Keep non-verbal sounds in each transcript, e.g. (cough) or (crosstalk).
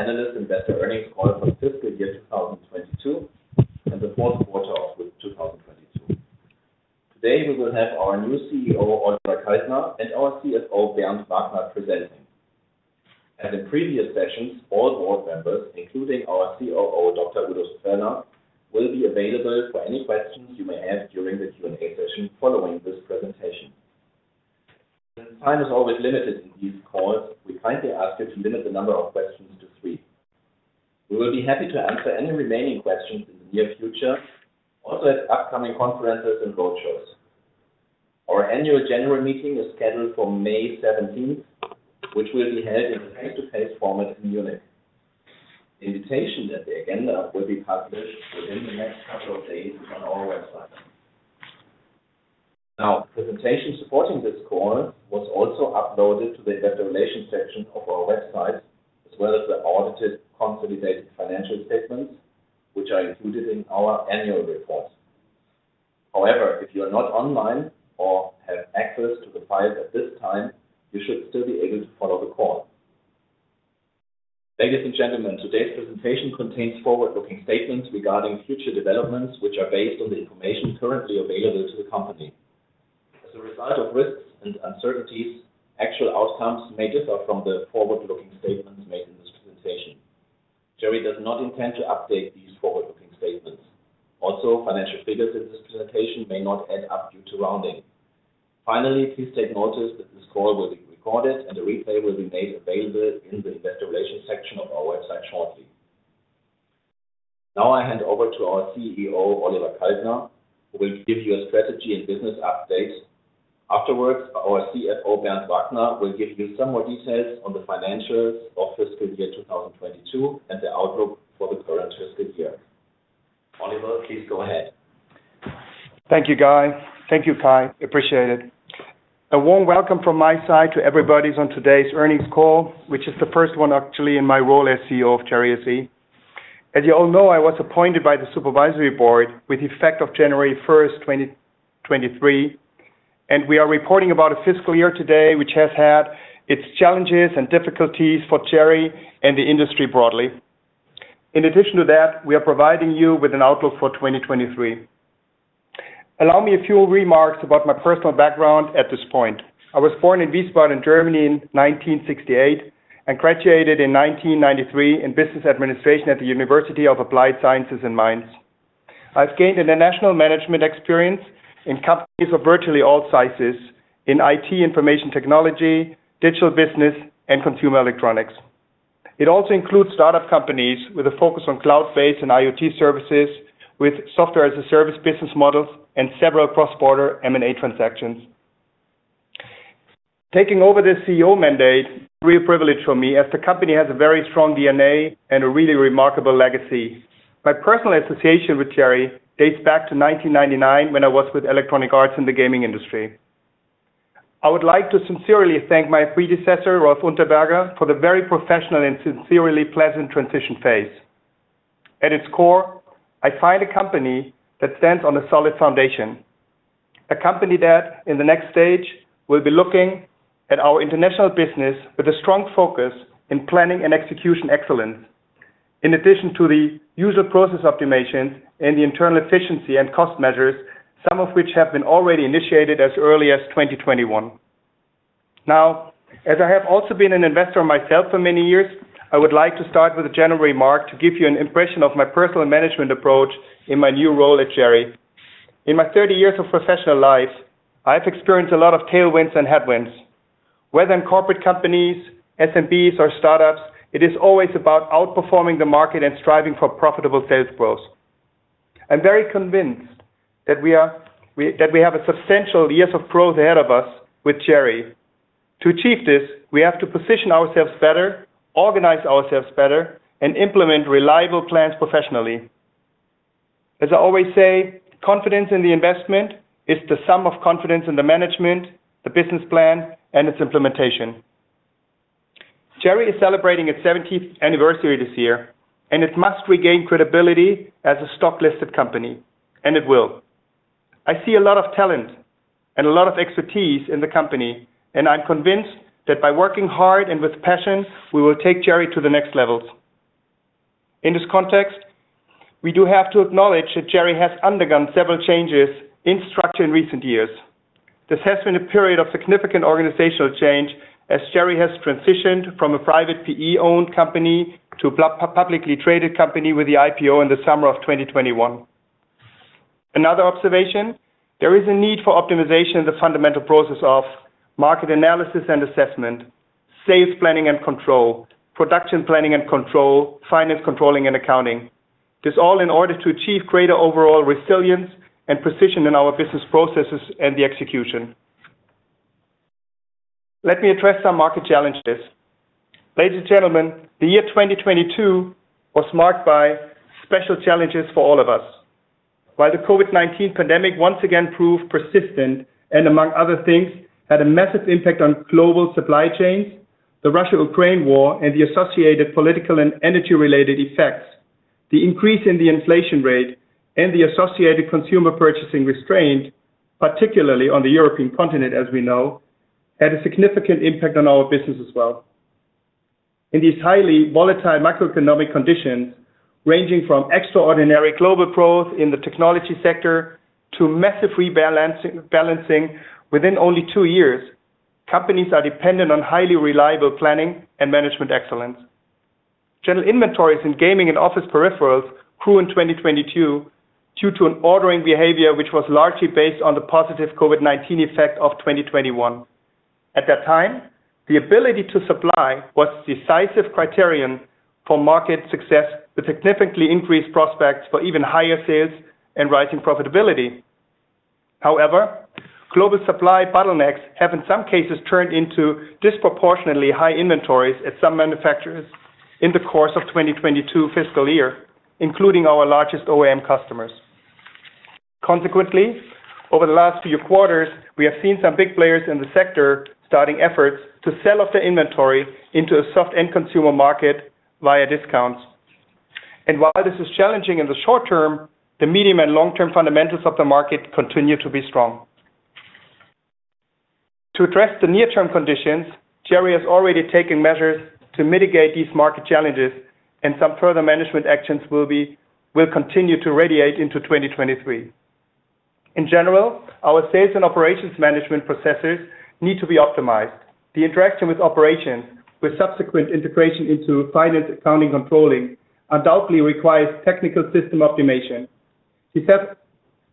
Analyst investor earnings call for fiscal year 2022, and the fourth quarter of 2022. Today we will have our new CEO, Oliver Kaltner, and our CFO, Bernd Wagner presenting. As in previous sessions, all board members, including our COO, Dr. Udo Streller will be available for any questions you may have during the Q&A session following this presentation. Since time is always limited in these calls, we kindly ask you to limit the number of questions to three. We will be happy to answer any remaining questions in the near future, also at upcoming conferences and roadshows. Our annual general meeting is scheduled for May 17th, which will be held in a face-to-face format in Munich. The invitation and the agenda will be published within the next couple of days on our website. Now, presentation supporting this call was also uploaded to the investor relations section of our website, as well as the audited consolidated financial statements which are included in our annual reports. However, if you are not online or have access to the files at this time, you should still be able to follow the call. Ladies and gentlemen, today's presentation contains forward-looking statements regarding future developments which are based on the information currently available to the company. As a result of risks and uncertainties, actual outcomes may differ from the forward-looking statements made in this presentation. Cherry does not intend to update these forward-looking statements. Also, financial figures in this presentation may not add up due to rounding. Finally, please take notice that this call will be recorded, and the replay will be made available in the investor relations section of our website shortly. Now I hand over to our CEO, Oliver Kaltner, who will give you a strategy and business updates. Afterwards, our CFO, Bernd Wagner will give you some more details on the financials of fiscal year 2022 and the outlook for the current fiscal year. Oliver, please go ahead. Thank you, guys. Thank you, Kai. Appreciate it. A warm welcome from my side to everybody's on today's earnings call, which is the first one actually in my role as CEO of Cherry SE. As you all know, I was appointed by the supervisory board with effect of January 1st, 2023. We are reporting about a fiscal year today which has had its challenges, and difficulties for Cherry and the industry broadly. In addition to that, we are providing you with an outlook for 2023. Allow me a few remarks about my personal background at this point. I was born in Wiesbaden, Germany in 1968 and graduated in 1993 in business administration at the University of Applied Sciences in Mainz. I've gained international management experience in companies of virtually all sizes, in IT, information technology, digital business, and consumer electronics. It also includes startup companies with a focus on cloud-based, and IoT services with software as a service business models and several cross-border M&A transactions. Taking over the CEO mandate, real privilege for me, as the company has a very strong DNA and a really remarkable legacy. My personal association with Cherry dates back to 1999 when I was with Electronic Arts in the gaming industry. I would like to sincerely thank my predecessor, Rolf Unterberger, for the very professional and sincerely pleasant transition phase. At its core, I find a company that stands on a solid foundation, a company that in the next stage, will be looking at our international business with a strong focus in planning and execution excellence. In addition to the user process optimizations and the internal efficiency and cost measures, some of which have been already initiated as early as 2021. Now, as I have also been an investor myself for many years, I would like to start with a general remark, to give you an impression of my personal management approach in my new role at Cherry. In my 30 years of professional life, I've experienced a lot of tailwinds and headwinds. Whether in corporate companies, SMBs, or startups, it is always about outperforming the market and striving for profitable sales growth. I'm very convinced that we have a substantial years of growth ahead of us with Cherry. To achieve this, we have to position ourselves better, organize ourselves better, and implement reliable plans professionally. As I always say, confidence in the investment is the sum of confidence in the management, the business plan, and its implementation. Cherry is celebrating its 70th anniversary this year, and it must regain credibility as a stock-listed company, and it will. I see a lot of talent and a lot of expertise in the company, and I'm convinced that by working hard and with passion, we will take Cherry to the next levels. In this context, we do have to acknowledge that Cherry has undergone several changes in structure in recent years. This has been a period of significant organizational change, as Cherry has transitioned from a private PE-owned company to a publicly traded company with the IPO in the summer of 2021. Another observation, there is a need for optimization in the fundamental process of market analysis and assessment, sales planning and control, production planning and control, finance controlling and accounting. This all in order to achieve greater overall resilience, and precision in our business processes and the execution. Let me address some market challenges. Ladies and gentlemen, the year 2022 was marked by special challenges for all of us. While the COVID-19 pandemic once again proved persistent and among other things, had a massive impact on global supply chains, the Russia-Ukraine war and the associated political and energy-related effects, the increase in the inflation rate and the associated consumer purchasing restraint, particularly on the European continent, as we know, had a significant impact on our business as well. In these highly volatile macroeconomic conditions, ranging from extraordinary global growth in the technology sector to massive rebalancing within only two years, companies are dependent on highly reliable planning and management excellence. General inventories in gaming and office peripherals grew in 2022 due to an ordering behavior, which was largely based on the positive COVID-19 effect of 2021. At that time, the ability to supply was decisive criterion for market success with significantly increased prospects for even higher sales and rising profitability. However, global supply bottlenecks have in some cases turned into disproportionately high inventories at some manufacturers in the course of 2022 fiscal year, including our largest OEM customers. Consequently, over the last few quarters, we have seen some big players in the sector starting efforts to sell off their inventory into a soft end consumer market via discounts. While this is challenging in the short term, the medium and long-term fundamentals of the market continue to be strong. To address the near-term conditions, Cherry has already taken measures to mitigate these market challenges, and some further management actions will continue to radiate into 2023. In general, our sales and operations management processes need to be optimized. The interaction with operations, with subsequent integration into finance accounting controlling, undoubtedly requires technical system optimization. These have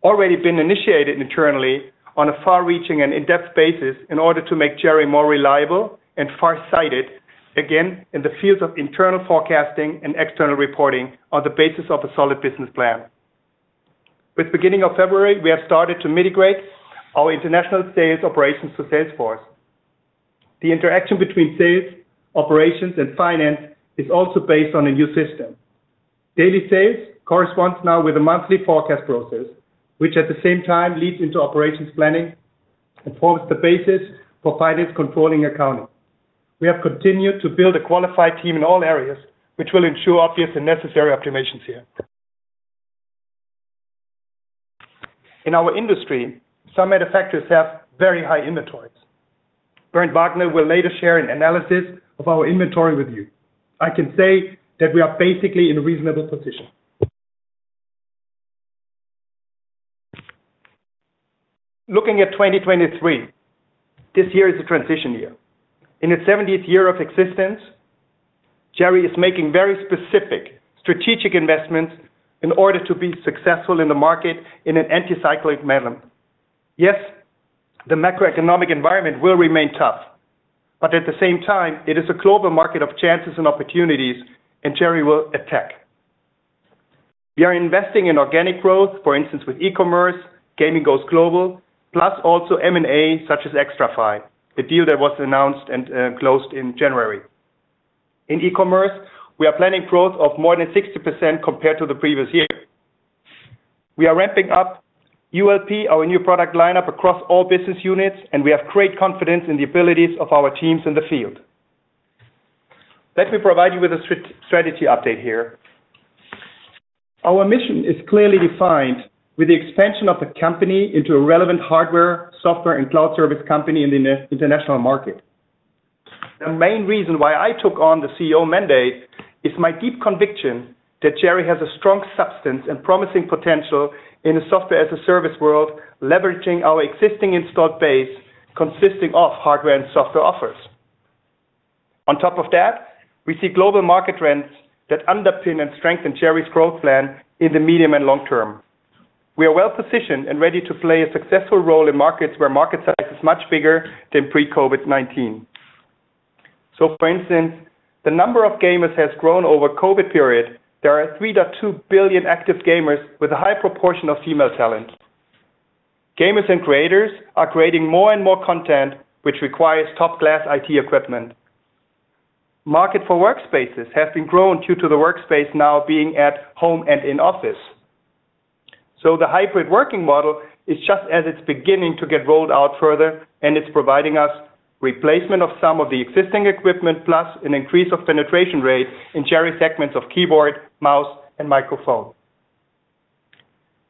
already been initiated internally on a far-reaching and in-depth basis in order to make Cherry more reliable and far-sighted, again in the fields of internal forecasting and external reporting on the basis of a solid business plan. With beginning of February, we have started to migrate our international sales operations to Salesforce. The interaction between sales, operations, and finance is also based on a new system. Daily sales corresponds now with a monthly forecast process, which at the same time leads into operations planning and forms the basis for finance controlling accounting. We have continued to build a qualified team in all areas, which will ensure obvious and necessary optimizations here. In our industry, some manufacturers have very high inventories. Bernd Wagner will later share an analysis of our inventory with you. I can say that we are basically in a reasonable position. Looking at 2023, this year is a transition year. In its 70th year of existence, Cherry is making very specific strategic investments in order to be successful in the market in an anti-cyclic manner. Yes, the macroeconomic environment will remain tough, but at the same time, it is a global market of chances and opportunities and Cherry will attack. We are investing in organic growth, for instance, with e-commerce, Gaming Goes Global, plus also M&A, such as Xtrfy, a deal that was announced and closed in January. In e-commerce, we are planning growth of more than 60% compared to the previous year. We are ramping up ULP, our new product lineup across all business units, and we have great confidence in the abilities of our teams in the field. Let me provide you with a strategy update here. Our mission is clearly defined with the expansion of the company into a relevant hardware, software, and cloud service company in the international market. The main reason why I took on the CEO mandate is my deep conviction that Cherry has a strong substance, and promising potential in a software as a service world, leveraging our existing installed base consisting of hardware and software offers. On top of that, we see global market trends that underpin and strengthen Cherry's growth plan in the medium and long term. We are well-positioned, and ready to play a successful role in markets where market size is much bigger than pre-COVID-19. For instance, the number of gamers has grown over COVID period. There are 3.2 billion active gamers with a high proportion of female talent. Gamers and creators are creating more and more content, which requires top-glass IT equipment. Market for workspaces has been grown due to the workspace now being at home and in office. The hybrid working model is just as it's beginning to get rolled out further, and it's providing us replacement of some of the existing equipment plus an increase of penetration rate in Cherry segments of keyboard, mouse, and microphone.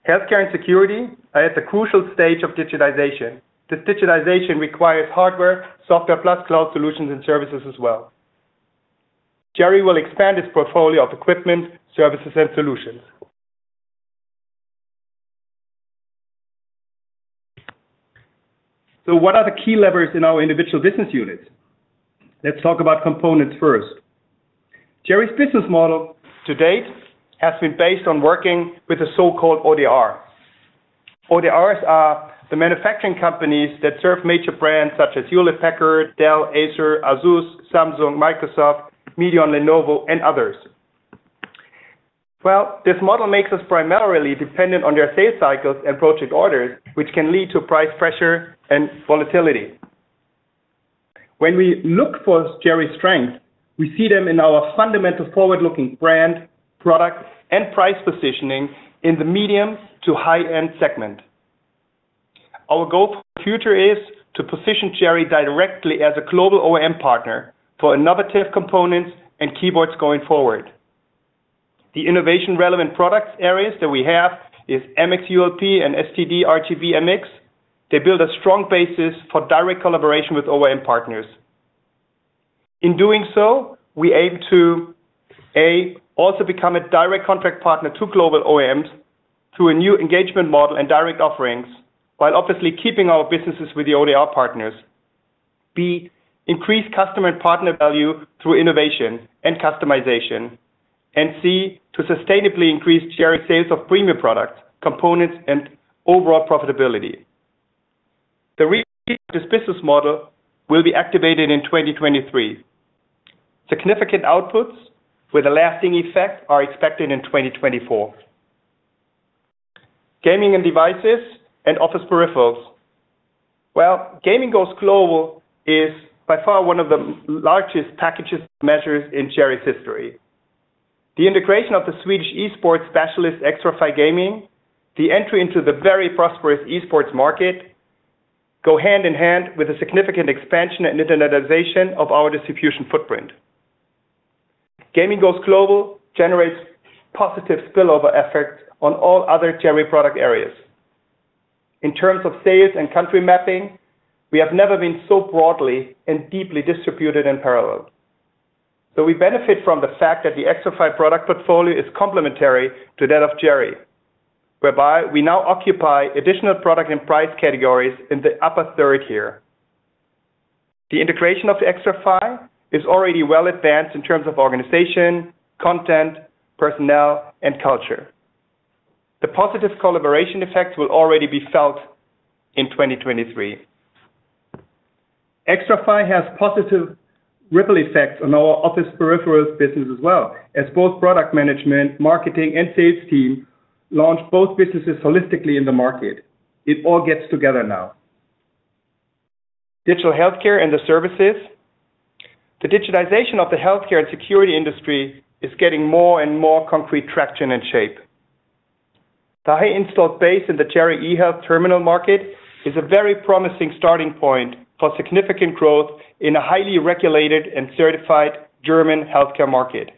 Healthcare and security are at the crucial stage of digitization. This digitization requires hardware, software, plus cloud solutions and services as well. Cherry will expand its portfolio of equipment, services, and solutions. What are the key levers in our individual business units? Let's talk about components first. Cherry's business model to date has been based on working with the so-called ODR. ODRs are the manufacturing companies that serve major brands such as Hewlett-Packard, Dell, Acer, ASUS, Samsung, Microsoft, Midea, Lenovo, and others. Well, this model makes us primarily dependent on their sales cycles and project orders, which can lead to price pressure and volatility. When we look for Cherry's strength, we see them in our fundamental forward-looking brand, product, and price positioning in the medium to high-end segment. Our goal for the future is to position Cherry directly as a global OEM partner for innovative components and keyboards going forward. The innovation relevant products areas that we have is MX ULP and STD, RGB, MX. They build a strong basis for direct collaboration with OEM partners. In doing so, we aim to, A, also become a direct contract partner to global OEMs through a new engagement model and direct offerings, while obviously keeping our businesses with the ODR partners. B, increase customer and partner value through innovation and customization. C, to sustainably increase Cherry sales of premium products, components, and overall profitability. The business model will be activated in 2023. Significant outputs with a lasting effect are expected in 2024. Gaming and devices and office peripherals. Gaming Goes Global is by far one of the largest packages measures in Cherry's history. The integration of the Swedish Esports specialist, Xtrfy Gaming, the entry into the very prosperous Esports market go hand in hand with a significant expansion and internationalization of our distribution footprint. Gaming Goes Global generates positive spillover effect on all other Cherry product areas. In terms of sales and country mapping, we have never been so broadly and deeply distributed in parallel. We benefit from the fact that the Xtrfy product portfolio is complementary to that of Cherry, whereby we now occupy additional product and price categories in the upper third tier. The integration of Xtrfy is already well advanced in terms of organization, content, personnel, and culture. The positive collaboration effects will already be felt in 2023. Xtrfy has positive ripple effects on our office peripherals business as well as both product management, marketing, and sales team launch both businesses holistically in the market. It all gets together now. Digital healthcare and the services. The digitization of the healthcare and security industry is getting more and more concrete traction and shape. The high installed base in the Cherry eHealth Terminal market, is a very promising starting point for significant growth in a highly regulated and certified German healthcare market.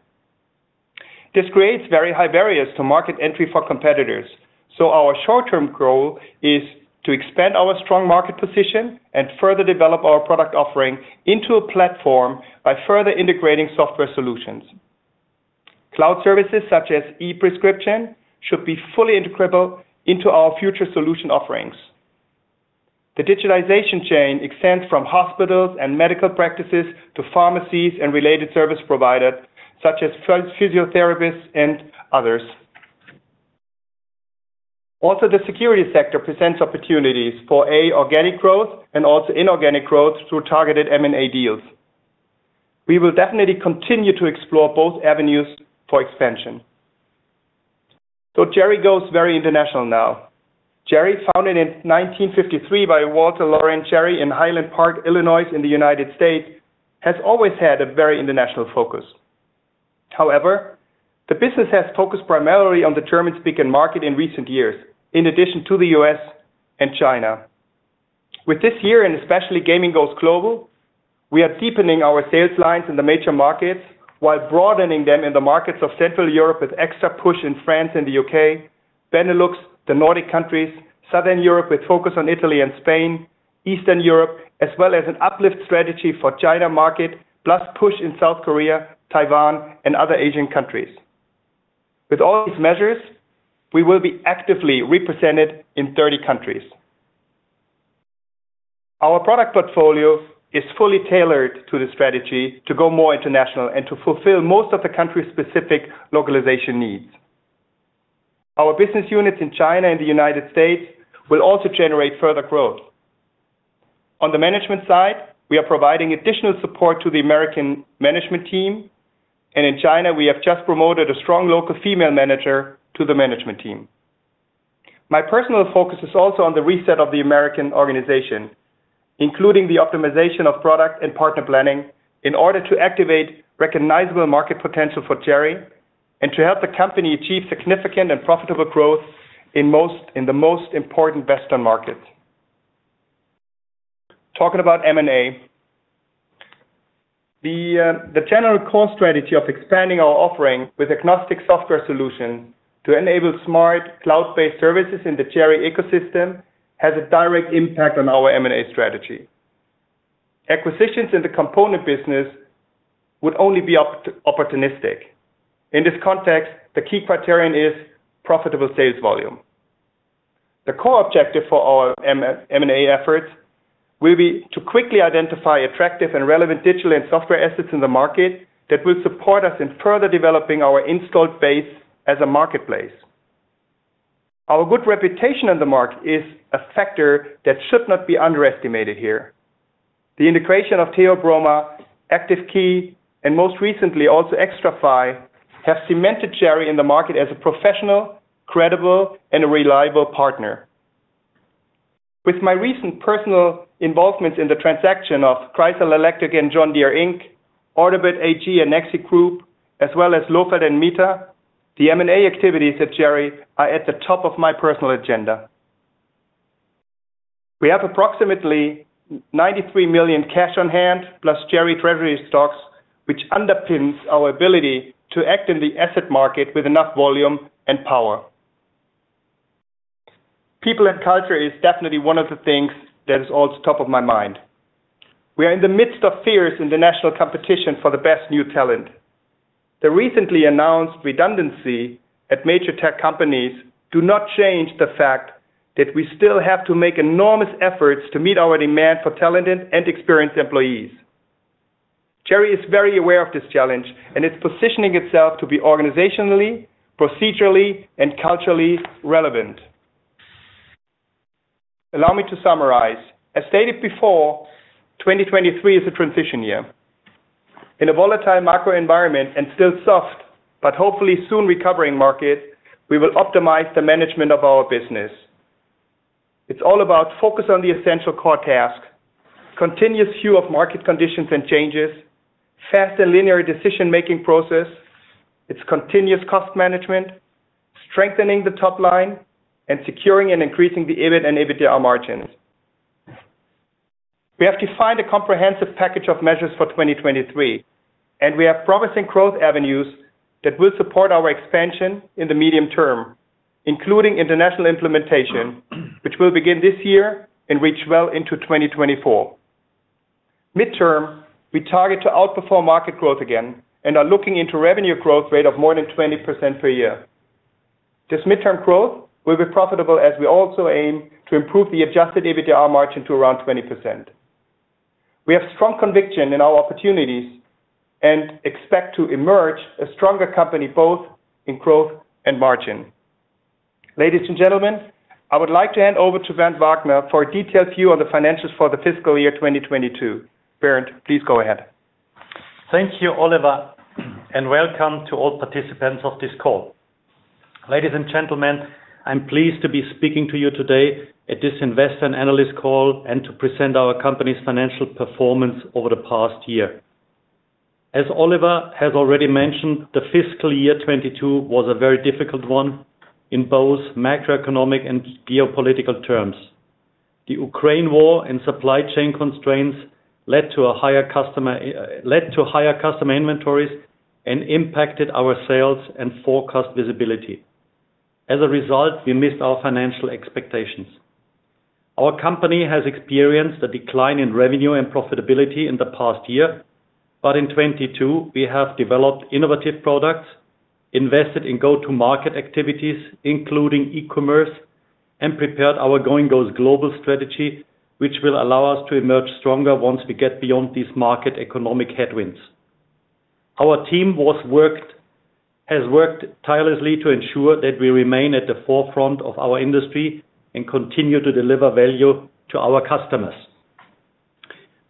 This creates very high barriers to market entry for competitors. Our short-term goal is to expand our strong market position, and further develop our product offering into a platform by further integrating software solutions. Cloud services such as e-prescription should be fully integrated into our future solution offerings. The digitalization chain extends from hospitals, and medical practices to pharmacies and related service providers such as physiotherapists and others. Also, the security sector presents opportunities for, A, organic growth and also inorganic growth through targeted M&A deals. We will definitely continue to explore both avenues for expansion. Cherry goes very international now. Cherry, founded in 1953 by Walter Lorain Cherry in Highland Park, Illinois, in the United States, has always had a very international focus. However, the business has focused primarily on the German-speaking market in recent years, in addition to the U.S. and China. With this year, and especially Gaming Goes Global, we are deepening our sales lines in the major markets, while broadening them in the markets of Central Europe with extra push in France and the U.K., Benelux, the Nordic countries, Southern Europe, with focus on Italy and Spain, Eastern Europe, as well as an uplift strategy for China market, plus push in South Korea, Taiwan, and other Asian countries. With all these measures, we will be actively represented in 30 countries. Our product portfolio is fully tailored to the strategy to go more international, and to fulfill most of the country-specific localization needs. Our business units in China and the United States will also generate further growth. On the management side, we are providing additional support to the American management team, and in China, we have just promoted a strong local female manager to the management team. My personal focus is also on the reset of the American organization, including the optimization of product and partner planning in order to activate recognizable market potential for Cherry, and to help the company achieve significant and profitable growth in the most important Western markets. Talking about M&A. The general core strategy of expanding our offering with agnostic software solution, to enable smart cloud-based services in the Cherry ecosystem has a direct impact on our M&A strategy. Acquisitions in the component business would only be opportunistic. In this context, the key criterion is profitable sales volume. The core objective for our M&A efforts will be to quickly identify attractive and relevant digital, and software assets in the market that will support us in further developing our installed base as a marketplace. Our good reputation in the market is a factor that should not be underestimated here. The integration of Theobroma, Active Key, and most recently, also Xtrfy have cemented Cherry in the market as a professional, credible, and a reliable partner. With my recent personal involvement in the transaction of Kreisel Electric and John Deere Inc, ordeer AG and Nexi Group, as well as Lofelt and Meta, the M&A activities at Cherry are at the top of my personal agenda. We have approximately 93 million cash on hand, plus Cherry treasury stocks, which underpins our ability to act in the asset market with enough volume and power. People and culture is definitely one of the things that is always top of my mind. We are in the midst of fierce international competition for the best new talent. The recently announced redundancy at major tech companies, do not change the fact that we still have to make enormous efforts to meet our demand for talented and experienced employees. Cherry is very aware of this challenge, and it's positioning itself to be organizationally, procedurally, and culturally relevant. Allow me to summarize. As stated before, 2023 is a transition year. In a volatile macro environment and still soft, but hopefully soon recovering market, we will optimize the management of our business. It's all about focus on the essential core task, continuous view of market conditions and changes, fast and linear decision-making process. It's continuous cost management, strengthening the top line, and securing and increasing the EBIT and EBITDA margins. We have defined a comprehensive package of measures for 2023, and we have promising growth avenues that will support our expansion in the medium term, including international implementation, which will begin this year and reach well into 2024. Midterm, we target to outperform market growth again, and are looking into revenue growth rate of more than 20% per year. This midterm growth will be profitable as we also aim to improve the adjusted EBITDA margin to around 20%. We have strong conviction in our opportunities, and expect to emerge a stronger company both in growth and margin. Ladies and gentlemen, I would like to hand over to Bernd Wagner for a detailed view on the financials for the fiscal year 2022. Bernd, please go ahead. Thank you, Oliver. Welcome to all participants of this call. Ladies and gentlemen, I'm pleased to be speaking to you today at this investor and analyst call, and to present our company's financial performance over the past year. As Oliver has already mentioned, the fiscal year 2022 was a very difficult one in both macroeconomic and geopolitical terms. The Ukraine war and supply chain constraints led to higher customer inventories, and impacted our sales and forecast visibility. As a result, we missed our financial expectations. Our company has experienced a decline in revenue and profitability in the past year, but in 2022, we have developed innovative products, invested in go-to-market activities, including e-commerce and prepared our Gaming Goes Global strategy, which will allow us to emerge stronger once we get beyond these market economic headwinds. Our team has worked tirelessly to ensure that we remain at the forefront of our industry, and continue to deliver value to our customers.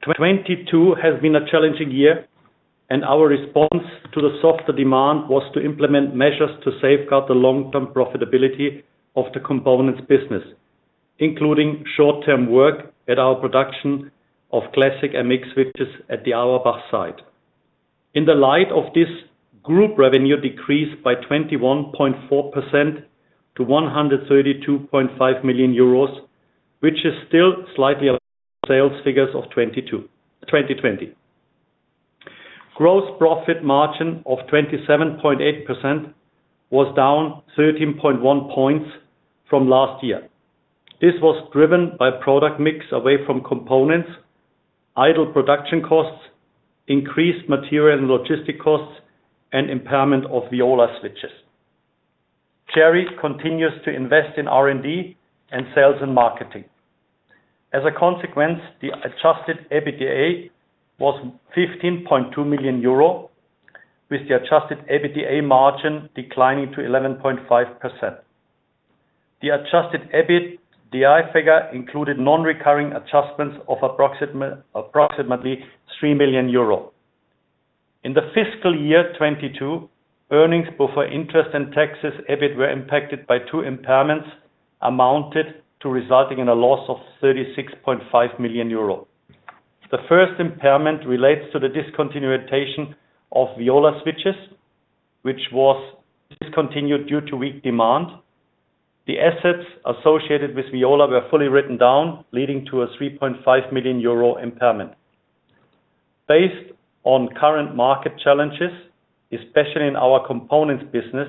2022 has been a challenging year, and our response to the softer demand was to implement measures to safeguard the long-term profitability of the components business, including short-term work at our production of classic MX switches at the Auerbach site. In the light of this, group revenue decreased by 21.4% to 132.5 million euros, which is still slightly sales figures of 2020. Gross profit margin of 27.8% was down 13.1 points from last year. This was driven by product mix away from components, idle production costs, increased material and logistic costs, and impairment of Viola switches. Cherry continues to invest in R&D, and sales and marketing. As a consequence, the adjusted EBITDA was 15.2 million euro, with the adjusted EBITDA margin declining to 11.5%. The adjusted EBITDA figure included non-recurring adjustments of approximately 3 million euro. In the fiscal year 2022, earnings before interest and taxes, EBIT, were impacted by two impairments resulting in a loss of 36.5 million euro. The first impairment relates to the discontinuation of Viola switches, which was discontinued due to weak demand. The assets associated with Viola were fully written down, leading to a 3.5 million euro impairment. Based on current market challenges, especially in our components business,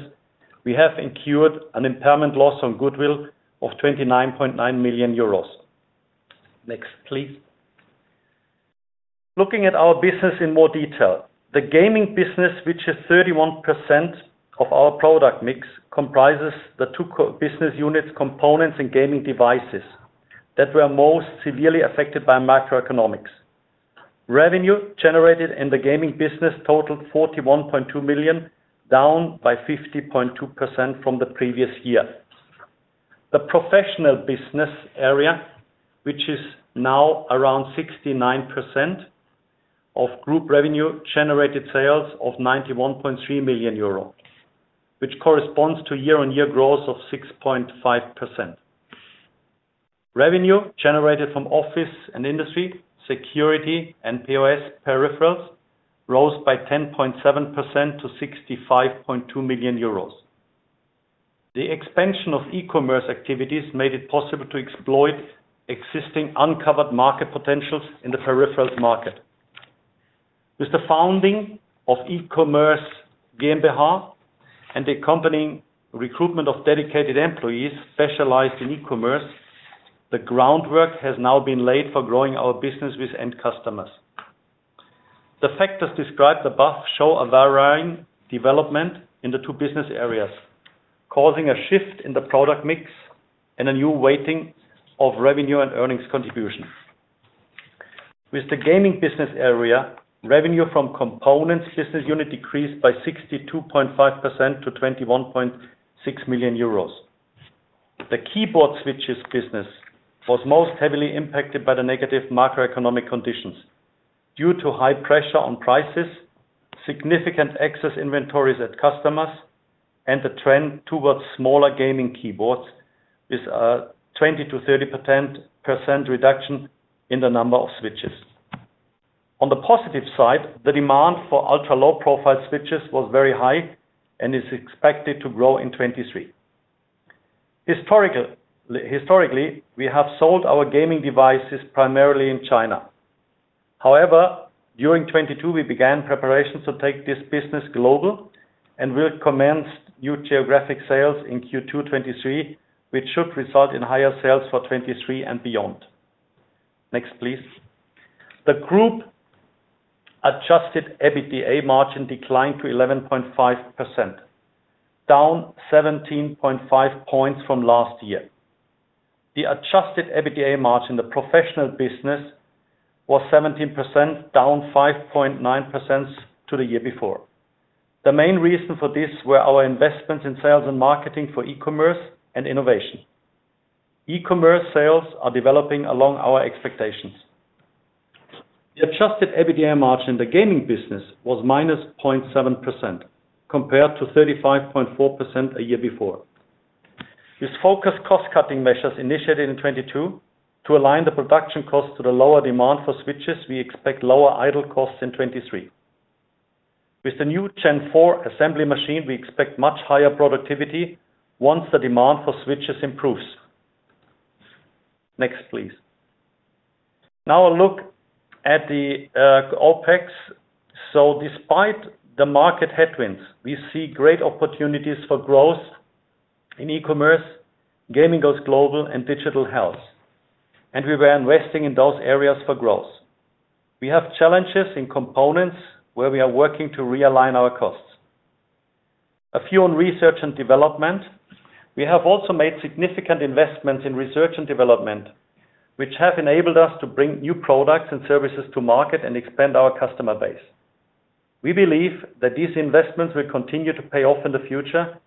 we have incurred an impairment loss on goodwill of 29.9 million euros. Next, please. Looking at our business in more detail. The gaming business, which is 31% of our product mix, comprises the two business units, components and gaming devices that were most severely affected by macroeconomics. Revenue generated in the gaming business totaled 41.2 million, down by 50.2% from the previous year. The professional business area, which is now around 69% of group revenue, generated sales of 91.3 million euro, which corresponds to year-on-year growth of 6.5%. Revenue generated from office and industry, security, and POS peripherals rose by 10.7% to 65.2 million euros. The expansion of e-commerce activities made it possible to exploit existing uncovered market potentials in the peripherals market. With the founding of E-Commerce GmbH and the accompanying recruitment of dedicated employees specialized in e-commerce, the groundwork has now been laid for growing our business with end customers. The factors described above show a varying development in the two business areas, causing a shift in the product mix and a new weighting of revenue and earnings contributions. With the gaming business area, revenue from components business unit decreased by 62.5% to 21.6 million euros. The keyboard switches business was most heavily impacted by the negative macroeconomic conditions due to high pressure on prices, significant excess inventories at customers, and the trend towards smaller gaming keyboards is 20%-30% reduction in the number of switches. On the positive side, the demand for Ultra Low Profile switches was very high and is expected to grow in 2023. Historically, we have sold our gaming devices primarily in China. However, during 2022, we began preparations to take this business global and will commence new geographic sales in Q2 2023, which should result in higher sales for 2023 and beyond. Next, please. The group adjusted EBITDA margin declined to 11.5%, down 17.5 points from last year. The adjusted EBITDA margin in the professional business was 17%, down 5.9% to the year before. The main reason for this were our investments in sales and marketing for e-commerce and innovation. E-commerce sales are developing along our expectations. The adjusted EBITDA margin in the gaming business was -0.7% compared to 35.4% a year before. With focused cost-cutting measures initiated in 2022 to align the production costs to the lower demand for switches, we expect lower idle costs in 2023. With the new gen four assembly machine, we expect much higher productivity once the demand for switches improves. Next, please. Now, a look at the OpEx. Despite the market headwinds, we see great opportunities for growth in e-commerce, Gaming Goes Global, and digital health, and we were investing in those areas for growth. We have challenges in components where we are working to realign our costs. A few on research and development. We have also made significant investments in research and development, which have enabled us to bring new products and services to market and expand our customer base. We believe that these investments will continue to pay off in the future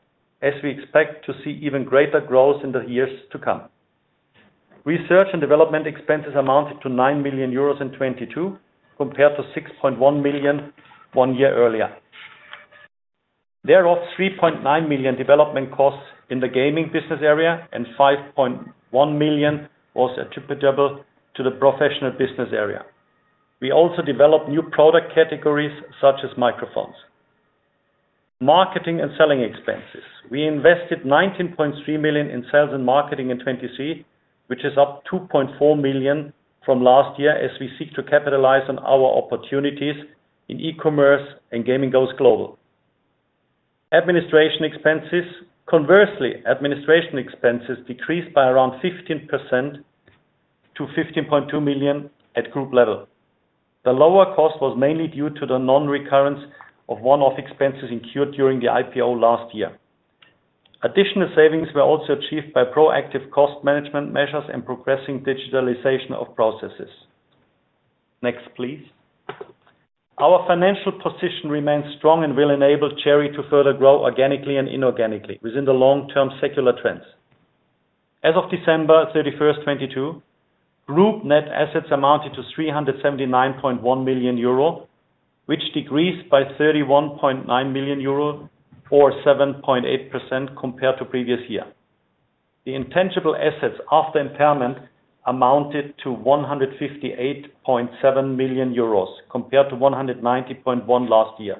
as we expect to see even greater growth in the years to come. Research and development expenses amounted to 9 million euros in 2022 compared to 6.1 million one year earlier. Thereof, 3.9 million development costs in the gaming business area, and 5.1 million was attributable to the professional business area. We also developed new product categories such as microphones. Marketing and selling expenses. We invested 19.3 million in sales and marketing in 2022, which is up 2.4 million from last year as we seek to capitalize on our opportunities in e-commerce and Gaming Goes Global. Administration expenses, conversely, administration expenses decreased by around 15% to 15.2 million at group level. The lower cost was mainly due to the non-recurrence of one-off expenses incurred during the IPO last year. Additional savings were also achieved by proactive cost management measures, and progressing digitalization of processes. Next, please. Our financial position remains strong, and will enable Cherry to further grow organically and inorganically within the long-term secular trends. As of December 31st, 2022, group net assets amounted to 379.1 million euro, which decreased by 31.9 million euro or 7.8% compared to previous year. The intangible assets after impairment amounted to 158.7 million euros compared to 190.1 million last year,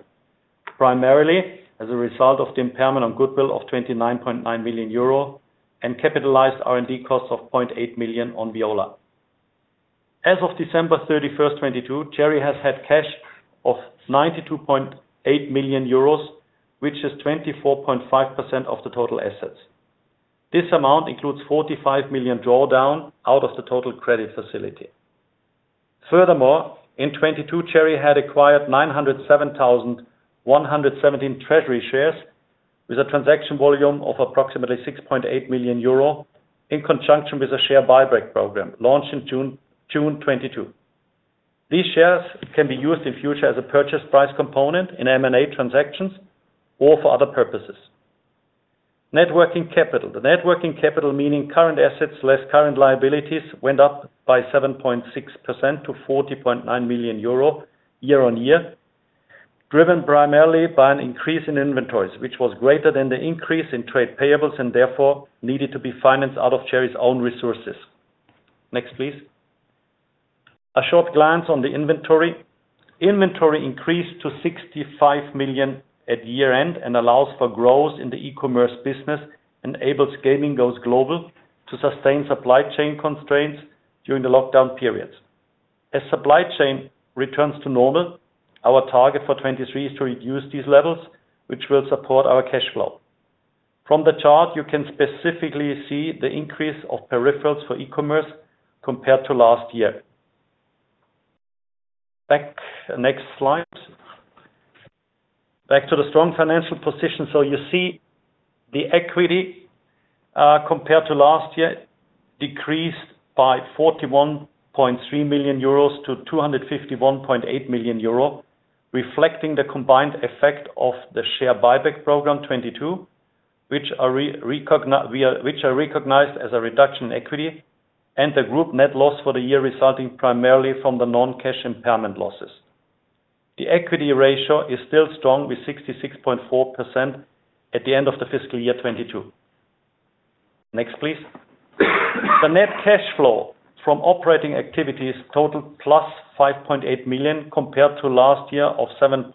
primarily as a result of the impairment on goodwill of 29.9 million euro and capitalized R&D costs of 0.8 million on Viola. As of December 31st, 2022, Cherry has had cash of 92.8 million euros, which is 24.5% of the total assets. This amount includes 45 million drawdown out of the total credit facility. Furthermore, iIn 2022, Cherry had acquired 907,117 treasury shares with a transaction volume of approximately 6.8 million euro, in conjunction with a share buyback program launched in June 2022. These shares can be used in future as a purchase price component in M&A transactions or for other purposes. Networking capital. The networking capital, meaning current assets less current liabilities went up by 7.6% to 40.9 million euro year-on-year, driven primarily by an increase in inventories, which was greater than the increase in trade payables and therefore needed to be financed out of Cherry's own resources. Next, please. A short glance on the inventory. Inventory increased to 65 million at year-end and allows for growth in the e-commerce business, enables Gaming Goes Global to sustain supply chain constraints during the lockdown periods. As supply chain returns to normal, our target for 2023 is to reduce these levels, which will support our cash flow. From the chart, you can specifically see the increase of peripherals for e-commerce compared to last year. Next slide, back to the strong financial position. You see the equity compared to last year decreased by 41.3 million euros to 251.8 million euro, reflecting the combined effect of the share buyback program 2022, which are recognized as a reduction in equity and the group net loss for the year resulting primarily from the non-cash impairment losses. The equity ratio is still strong, with 66.4% at the end of the fiscal year 2022. Next, please. The net cash flow from operating activities totaled +5.8 million compared to last year of 7.8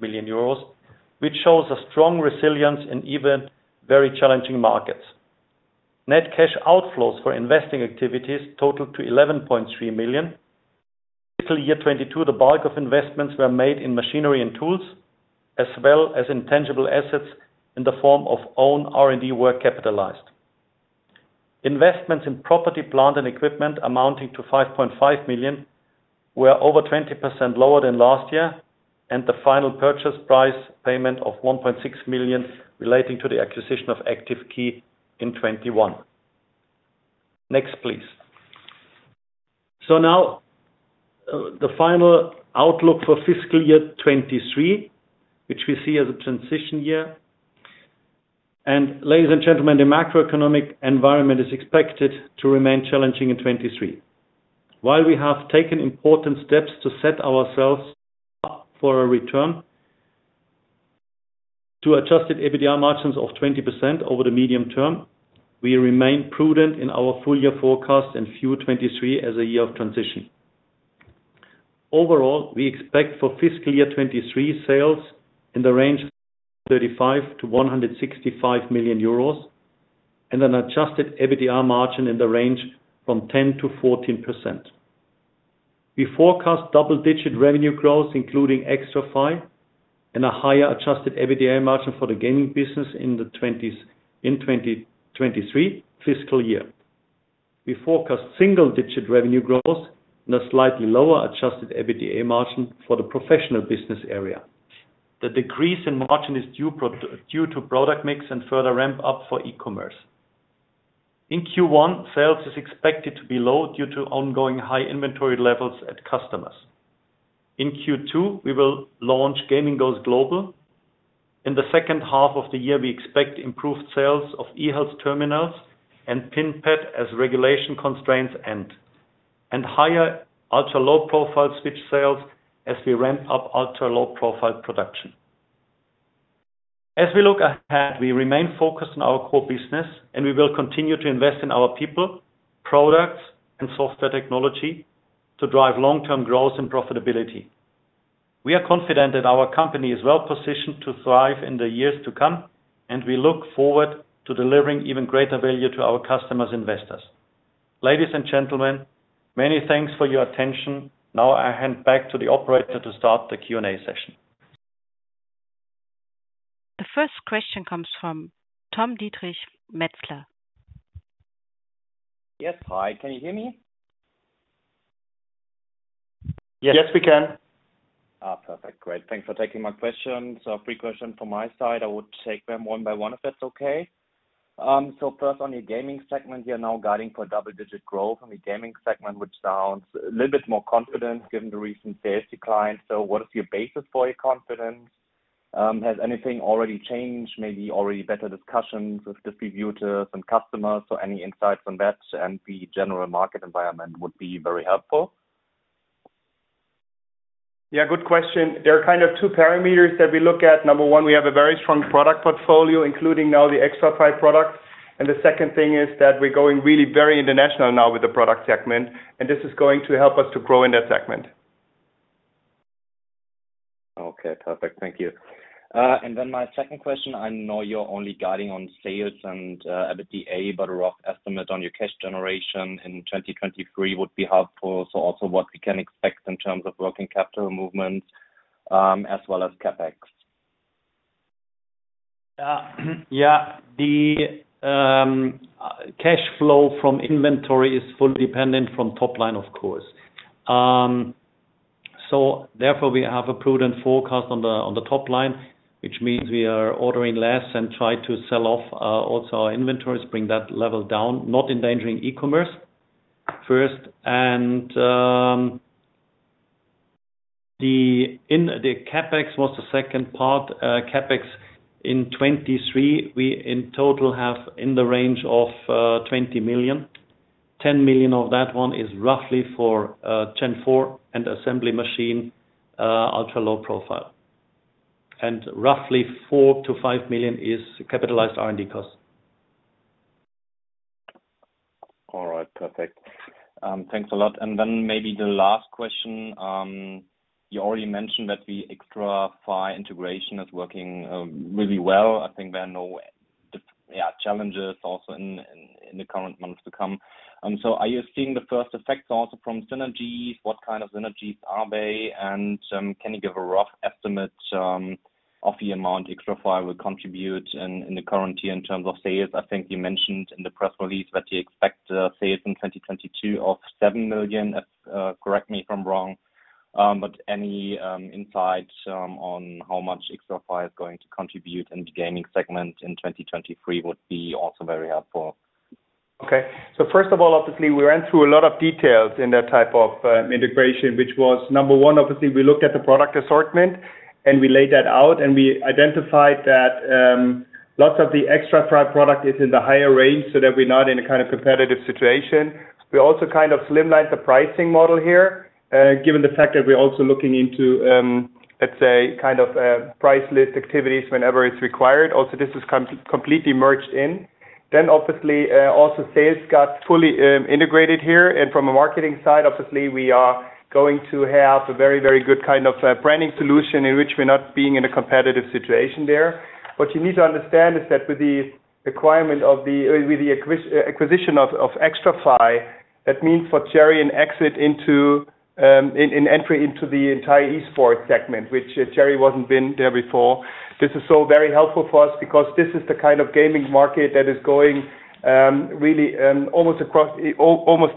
million euros, which shows a strong resilience in even very challenging markets. Net cash outflows for investing activities totaled to 11.3 million. Fiscal year 2022, the bulk of investments were made in machinery and tools, as well as intangible assets in the form of own R&D work capitalized. Investments in property, plant, and equipment amounting to 5.5 million were over 20% lower than last year, and the final purchase price payment of 1.6 million relating to the acquisition of Active Key in 2021. Next, please. Now, the final outlook for fiscal year 2023, which we see as a transition year. Ladies and gentlemen, the macroeconomic environment is expected to remain challenging in 2023. While we have taken important steps to set ourselves up for a return to adjusted EBITDA margins of 20% over the medium term, we remain prudent in our full-year forecast and view 2023 as a year of transition. Overall, we expect for fiscal year 2023 sales in the range of 35 million-165 million euros, and an adjusted EBITDA margin in the range from 10%-14%. We forecast double-digit revenue growth, including Xtrfy, and a higher adjusted EBITDA margin for the gaming business in 2023 fiscal year. We forecast single-digit revenue growth, and a slightly lower adjusted EBITDA margin for the professional business area. The decrease in margin is due to product mix and further ramp-up for e-commerce. In Q1, sales is expected to be low due to ongoing high inventory levels at customers. In Q2, we will launch Gaming Goes Global. In the second half of the year, we expect improved sales of eHealth terminals and PIN-Pad as regulation constraints end, and higher Ultra Low Profile switch sales as we ramp up Ultra Low Profile production. As we look ahead, we remain focused on our core business, and we will continue to invest in our people, products, and software technology to drive long-term growth and profitability. We are confident that our company is well-positioned to thrive in the years to come, and we look forward to delivering even greater value to our customers' investors. Ladies and gentlemen, many thanks for your attention. Now I hand back to the operator to start the Q&A session. The first question comes from Thomas. (audio distortion) Yes. Hi, can you hear me? Yes. Yes, we can. Perfect, great. Thanks for taking my question. Three questions from my side. I would take them one by one, if that's okay. First on your gaming segment, you're now guiding for double-digit growth on the gaming segment, which sounds a little bit more confident given the recent sales decline. What is your basis for your confidence? Has anything already changed? Maybe already better discussions with distributors and customers, so any insights on that and the general market environment would be very helpful. Yeah, good question. There are kind of two parameters that we look at. Number one, we have a very strong product portfolio, including now the Xtrfy products. The second thing is that we're going really very international now with the product segment, and this is going to help us to grow in that segment. Okay, perfect. Thank you. My second question. I know you're only guiding on sales and EBITDA, but a rough estimate on your cash generation in 2023 would be helpful. Also, what we can expect in terms of working capital movements, as well as CapEx. Yeah. The cash flow from inventory is fully dependent from top line, of course. Therefore, we have a prudent forecast on the top line, which means we are ordering less and try to sell off also our inventories, bring that level down, not endangering e-commerce first. The CapEx was the second part. CapEx in 2023, we in total have in the range of 20 million. 10 million of that one is roughly for gen four and assembly machine, Ultra Low Profile. Roughly 4 million-5 million is capitalized R&D costs. All right, perfect. Thanks a lot. Then maybe the last question, you already mentioned that the Xtrfy integration is working really well. I think there are no challenges also in the current months to come. Are you seeing the first effects also from synergies? What kind of synergies are they? Can you give a rough estimate of the amount Xtrfy will contribute in the current year in terms of sales? I think you mentioned in the press release that you expect sales in 2022 of 7 million. Correct me if I'm wrong, insights on how much Xtrfy is going to contribute in the gaming segment in 2023 would be also very helpful. Okay. First of all, obviously, we ran through a lot of details in that type of integration, which was number one, obviously, we looked at the product assortment, and we laid that out, and we identified that lots of the Xtrfy product is in the higher range, so that we're not in a kind of competitive situation. We also kind of slimline the pricing model here, given the fact that we're also looking into, let's say, kind of price list activities whenever it's required. Also, this is completely merged in. Then obviously, also sales got fully integrated here. From a marketing side, obviously, we are going to have a very, very good kind of branding solution in which we're not being in a competitive situation there. What you need to understand is that with the acquisition of Xtrfy, that means for Cherry an entry into the entire Esports segment, which Cherry wasn't been there before. This is so very helpful for us because this is the kind of gaming market that is going almost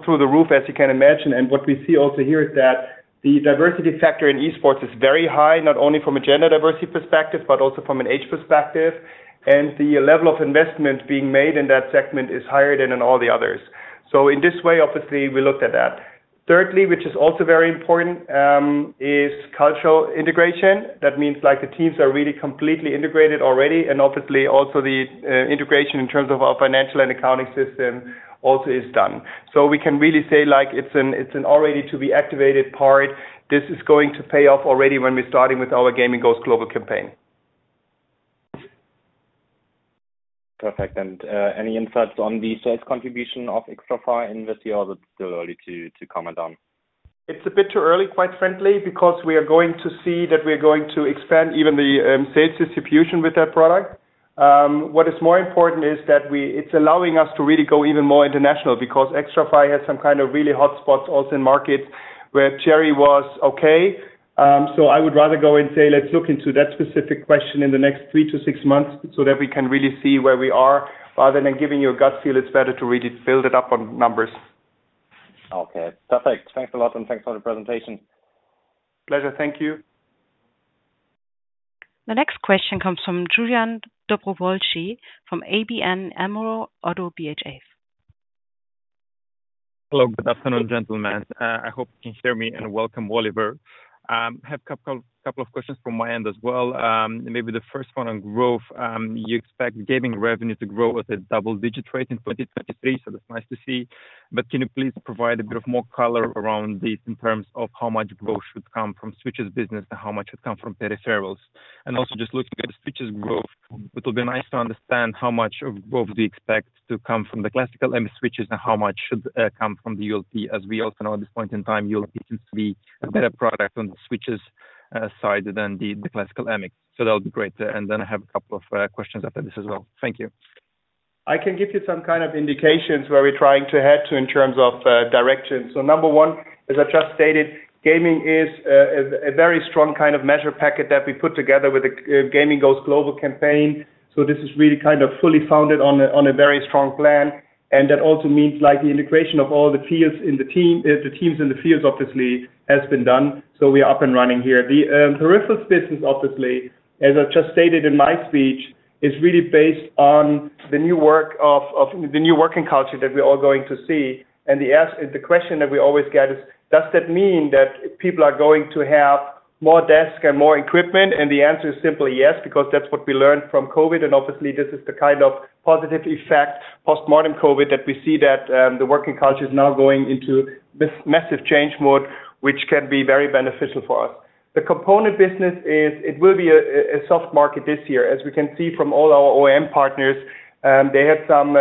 through the roof, as you can imagine. What we see also here is that the diversity factor in Esports is very high, not only from a gender diversity perspective, but also from an age perspective. The level of investment being made in that segment is higher than in all the others. In this way, obviously, we looked at that. Thirdly, which is also very important, is cultural integration. That means like the teams are really completely integrated already. Obviously also, the integration in terms of our financial and accounting system also is done. We can really say like it's an all ready to be activated part. This is going to pay off already when we're starting with our Gaming Goes Global campaign. Perfect. Any insights on the sales contribution of Xtrfy in this year or is it still early to comment on? It's a bit too early quite frankly, because we are going to see that we're going to expand even the sales distribution with that product. What is more important is that it's allowing us to really go even more international, because Xtrfy has some kind of really hot spots also in markets where Cherry was okay. I would rather go and say, let's look into that specific question in the next three to six months, so that we can really see where we are. Rather than giving you a gut feel, it's better to really build it up on numbers. Okay, perfect. Thanks a lot. Thanks for the presentation. Pleasure. Thank you. The next question comes from Julian Dobrovolschi from ABN AMRO-ODDO BHF. Hello. Good afternoon, gentlemen. I hope you can hear me and welcome, Oliver. I have a couple of questions from my end as well. Maybe the first one on growth. You expect gaming revenue to grow with a double-digit rate in 2023. That's nice to see. Can you please provide a bit of more color around this in terms of how much growth should come from switches business, and how much it come from peripherals? Also, just looking at the switches growth, it will be nice to understand how much of growth do you expect to come from the classical MX switches and how much should come from the ULP, as we also know at this point in time, ULP seems to be a better product on the switches side than the classical MX. That'll be great. Then I have a couple of questions after this as well. Thank you. I can give you some kind of indications where we're trying to head to in terms of direction. Number one, as I just stated, gaming is a very strong kind of measure packet that we put together with the Gaming Goes Global campaign. This is really kind of fully founded on a very strong plan. That also means like the integration of all the teams in the fields obviously has been done. We are up and running here. The peripherals business, obviously as I just stated in my speech, is really based on the new work of the new working culture that we're all going to see. The question that we always get is, does that mean that people are going to have more desk and more equipment? The answer is simply yes, because that's what we learned from COVID. Obviously, this is the kind of positive effect post-modern COVID that we see, that the working culture is now going into this massive change mode, which can be very beneficial for us. The component business is, it will be a soft market this year. As we can see from all our OEM partners, they had some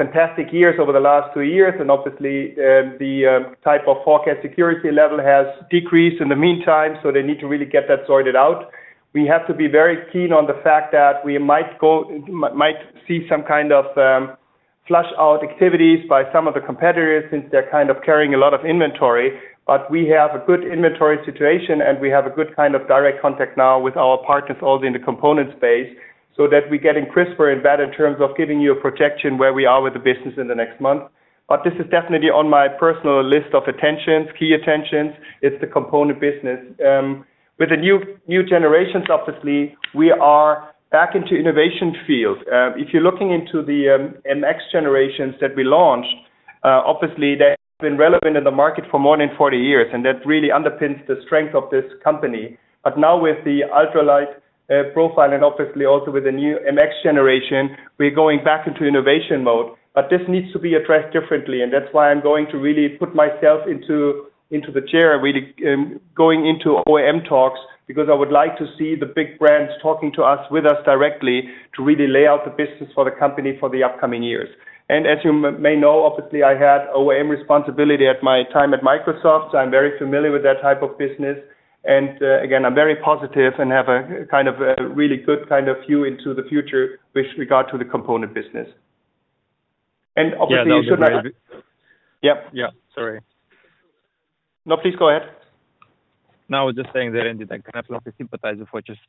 fantastic years over the last two years, and obviously, the type of forecast security level has decreased in the meantime, so they need to really get that sorted out. We have to be very keen on the fact that we might see some kind of flush out activities, by some of the competitors since they're kind of carrying a lot of inventory. We have a good inventory situation, and we have a good kind of direct contact now with our partners all in the component space, so that we're getting crisper and better in terms of giving you a projection where we are with the business in the next month. This is definitely on my personal list of attentions, key attentions. It's the component business. With the new generations, obviously we are back into innovation field. If you're looking into the MX generations that we launched, obviously they have been relevant in the market for more than 40 years, and that really underpins the strength of this company. Now with the ultra light profile and obviously also with the new MX generation, we're going back into innovation mode. This needs to be addressed differently, that's why I'm going to really put myself into the chair really going into OEM talks, because I would like to see the big brands talking to us with us directly to really lay out the business for the company for the upcoming years. As you may know, obviously I had OEM responsibility at my time at Microsoft, so I'm very familiar with that type of business. Again, I'm very positive, and have kind of a really good kind of view into the future with regard to the component business. Obviously? (audio distortion) Yeah. Yep. Yeah. Sorry. No, please go ahead. No, I was just saying that indeed, I kind of love to sympathize with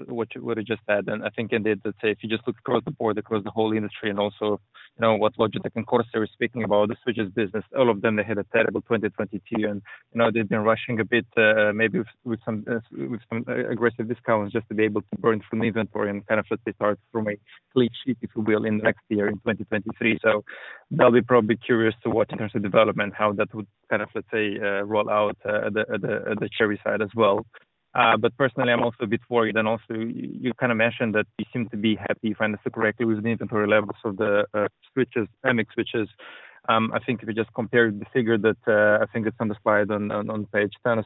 what you just said. I think indeed, let's say if you just look across the board, across the whole industry and also, you know, what Logitech and Corsair were speaking about, the switches business, all of them, they had a terrible 2022 and now they've been rushing a bit, maybe with some aggressive discounts just to be able to burn through inventory and kind of let's say, start from a clean sheet, if you will, in next year in 2023. They'll be probably curious to, in terms of development, how that would kind of, let's say roll out the Cherry side as well. Personally, I'm also a bit worried. Also, you kind of mentioned that you seem to be happy finally to (audio distortion) with the inventory levels of the switches, MX switches. I think if you just compare the figure, I think it's on the slide on page 10,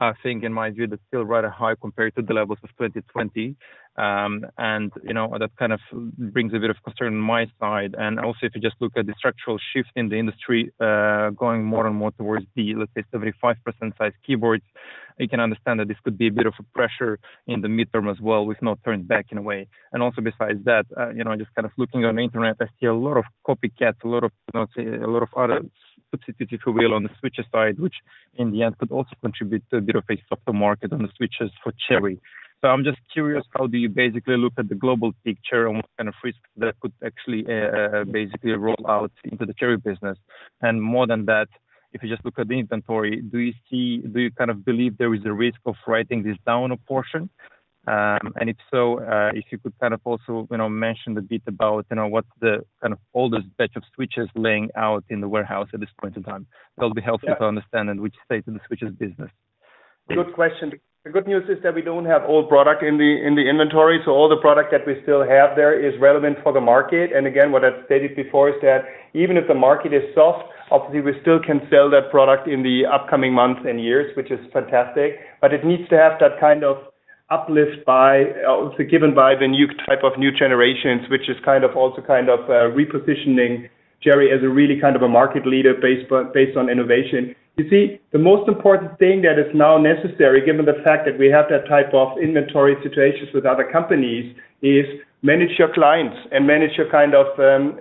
I think in my view that's still rather high compared to the levels of 2020. You know, that kind of brings a bit of concern on my side. Also, boards, you can understand that this could be a bit of a pressure in the midterm as well with no turning back in a way. Also, besides that, you know, just kind of looking on the internet, I see a lot of copycats a, let's say a lot of other substitutes, if you will, on the switches side, which in the end could also contribute to a bit of a softer market on the switches for Cherry. I'm just curious, how do you basically look at the global picture, and what kind of risks that could actually basically roll out into the Cherry business? More than that, if you just look at the inventory, do you kind of believe there is a risk of writing this down a portion? If so, if you could kind of also, you know, mention a bit about, you know, what's the kind of oldest batch of switches laying out in the warehouse at this point in time. That'll be helpful. Yeah. To understand in which state in the switches business. Good question. The good news is that we don't have old product in the inventory. All the product that we still have there is relevant for the market. Again, what I've stated before is that even if the market is soft, obviously we still can sell that product in the upcoming months and years, which is fantastic. It needs to have that kind of uplift given by the new type of new generations, which is kind of also repositioning Cherry as a really kind of a market leader based on innovation. You see, the most important thing that is now necessary, given the fact that we have that type of inventory situations with other companies, is manage your clients and manage your kind of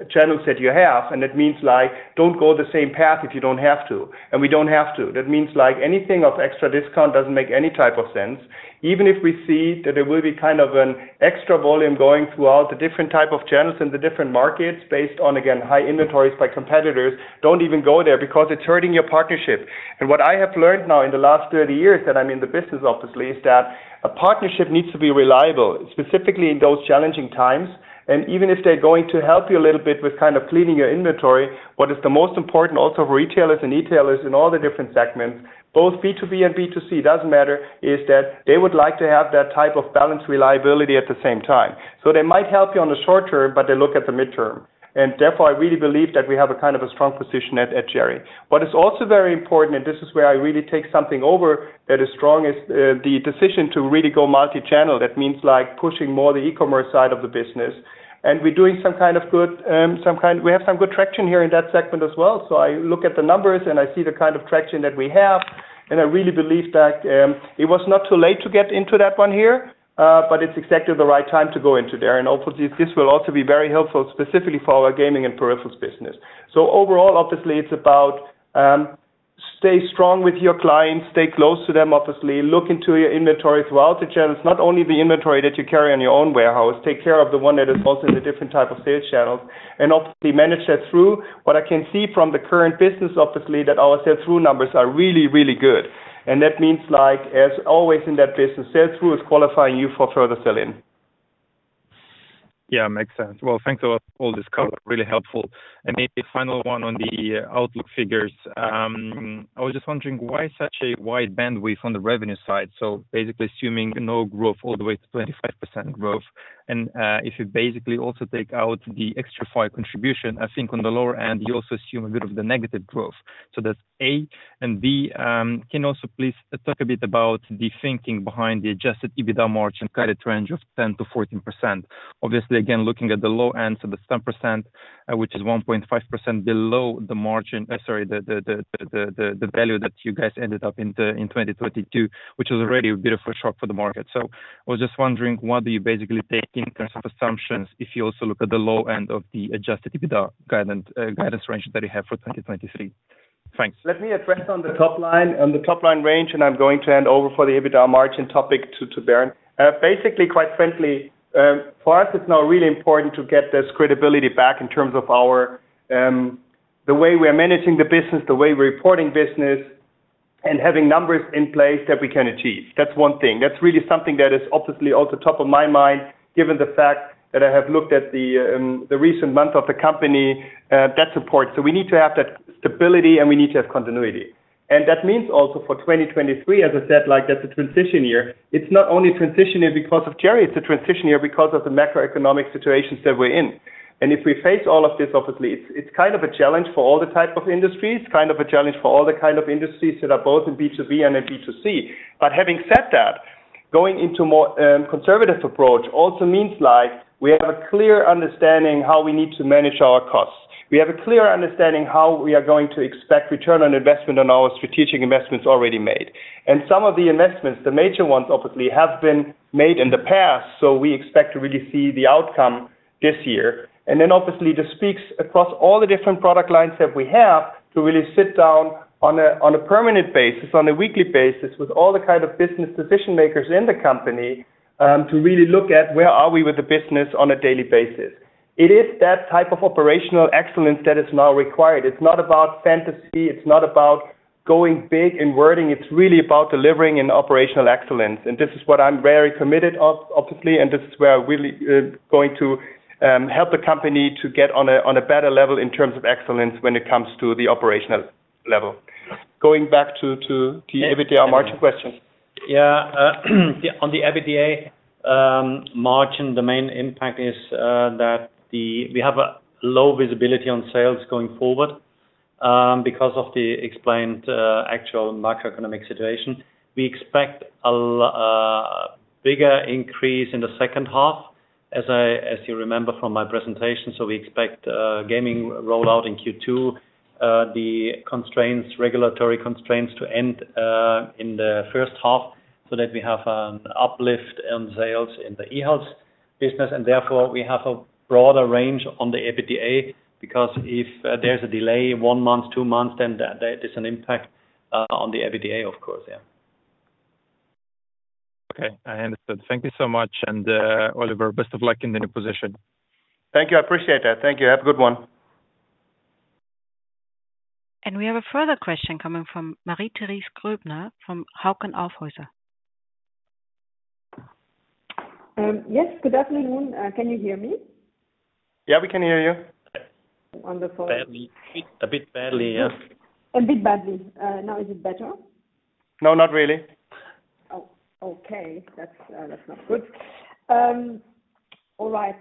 channels that you have. That means like, don't go the same path if you don't have to. We don't have to. That means like anything of extra discount doesn't make any type of sense. Even if we see that there will be kind of an extra volume going throughout the different type of channels in the different markets based on, again, high inventories by competitors, don't even go there because it's hurting your partnership. What I have learned now in the last 30 years that I'm in the business obviously, is that a partnership needs to be reliable, specifically in those challenging times. Even if they're going to help you a little bit with kind of cleaning your inventory, what is the most important also for retailers and e-tailers in all the different segments, both B2B and B2C, doesn't matter, is that they would like to have that type of balanced reliability at the same time. They might help you on the short term, but they look at the midterm, and therefore I really believe that we have a kind of a strong position at Cherry. What is also very important, and this is where I really take something over that is strong, is the decision to really go multi-channel. That means like pushing more the e-commerce side of the business. We're doing some kind of good, we have some good traction here in that segment as well. I look at the numbers and I see the kind of traction that we have, and I really believe that, it was not too late to get into that one here, but it's exactly the right time to go into there. Obviously this will also be very helpful specifically for our gaming and peripherals business. Overall obviously, it's about, stay strong with your clients, stay close to them obviously, look into your inventory throughout the channels, not only the inventory that you carry on your own warehouse. Take care of the one that is also in the different type of sales channels, and obviously manage that through. What I can see from the current business obviously, that our sales through numbers are really, really good. That means like as always in that business, sales through is qualifying you for further sell-in. Yeah, makes sense. Well, thanks a lot for all this cover. Really helpful. Maybe final one on the outlook figures. I was just wondering why such a wide bandwidth on the revenue side? Basically assuming no growth all the way to 25% growth and, if you basically also take out the Xtrfy contribution, I think on the lower end you also assume a bit of the negative growth. That's A. B, can you also please talk a bit about the thinking behind the adjusted EBITDA margin guided range of 10%-14%? Obviously, again, looking at the low end, so that's 10%, which is 1.5% below sorry, the value that you guys ended up in 2022, which was already a bit of a shock for the market. I was just wondering what are you basically taking in terms of assumptions if you also look at the low end of the adjusted EBITDA guidance range that you have for 2023. Thanks. Let me address on the top line, on the top line range, and I'm going to hand over for the EBITDA margin topic to Darren. Basically, quite frankly, for us it's now really important to get this credibility back in terms of our, the way we are managing the business, the way we're reporting business, and having numbers in place that we can achieve. That's one thing. That's really something that is obviously also top of my mind given the fact that I have looked at the recent month of the company, debt support. We need to have that stability and we need to have continuity. That means also for 2023, as I said, like that's a transition year. It's not only a transition year because of Cherry, it's a transition year because of the macroeconomic situations that we're in. If we face all of this, obviously it's kind of a challenge for all the type of industries. It's kind of a challenge for all the kind of industries that are both in B2B and in B2C. Having said that, going into more conservative approach also means like, we have a clear understanding how we need to manage our costs. We have a clear understanding how we are going to expect return on investment on our strategic investments already made. Some of the investments, the major ones obviously have been made in the past, so we expect to really see the outcome this year. Obviously, this speaks across all the different product lines that we have to really sit down on a permanent basis, on a weekly basis, with all the kind of business decision makers in the company, to really look at where are we with the business on a daily basis. It is that type of operational excellence that is now required. It's not about fantasy, it's not about going big in wording. It's really about delivering in operational excellence. This is what I'm very committed obviously, and this is where really going to help the company to get on a better level in terms of excellence when it comes to the operational level. Going back to the EBITDA margin question. On the EBITDA margin, the main impact is that the... On the EBITDA margin, we have a low visibility on sales going forward, because of the explained actual macroeconomic situation. We expect a bigger increase in the second half, as you remember from my presentation. We expect gaming rollout in Q2, the constraints, regulatory constraints to end in the first half so that we have uplift in sales in the eHealth business, therefore we have a broader range on the EBITDA. If there's a delay one month, two months, then that is an impact on the EBITDA of course, yeah. Okay, I understand. Thank you so much. Oliver, best of luck in the new position. Thank you. I appreciate that. Thank you. Have a good one. We have a further question coming from Marie-Therese Gruebner from Hauck & Aufhäuser. Yes, good afternoon. Can you hear me? Yeah, we can hear you. Wonderful. Badly. A bit badly, yeah. A bit badly. Now is it better? No, not really. Okay, that's not good. All right,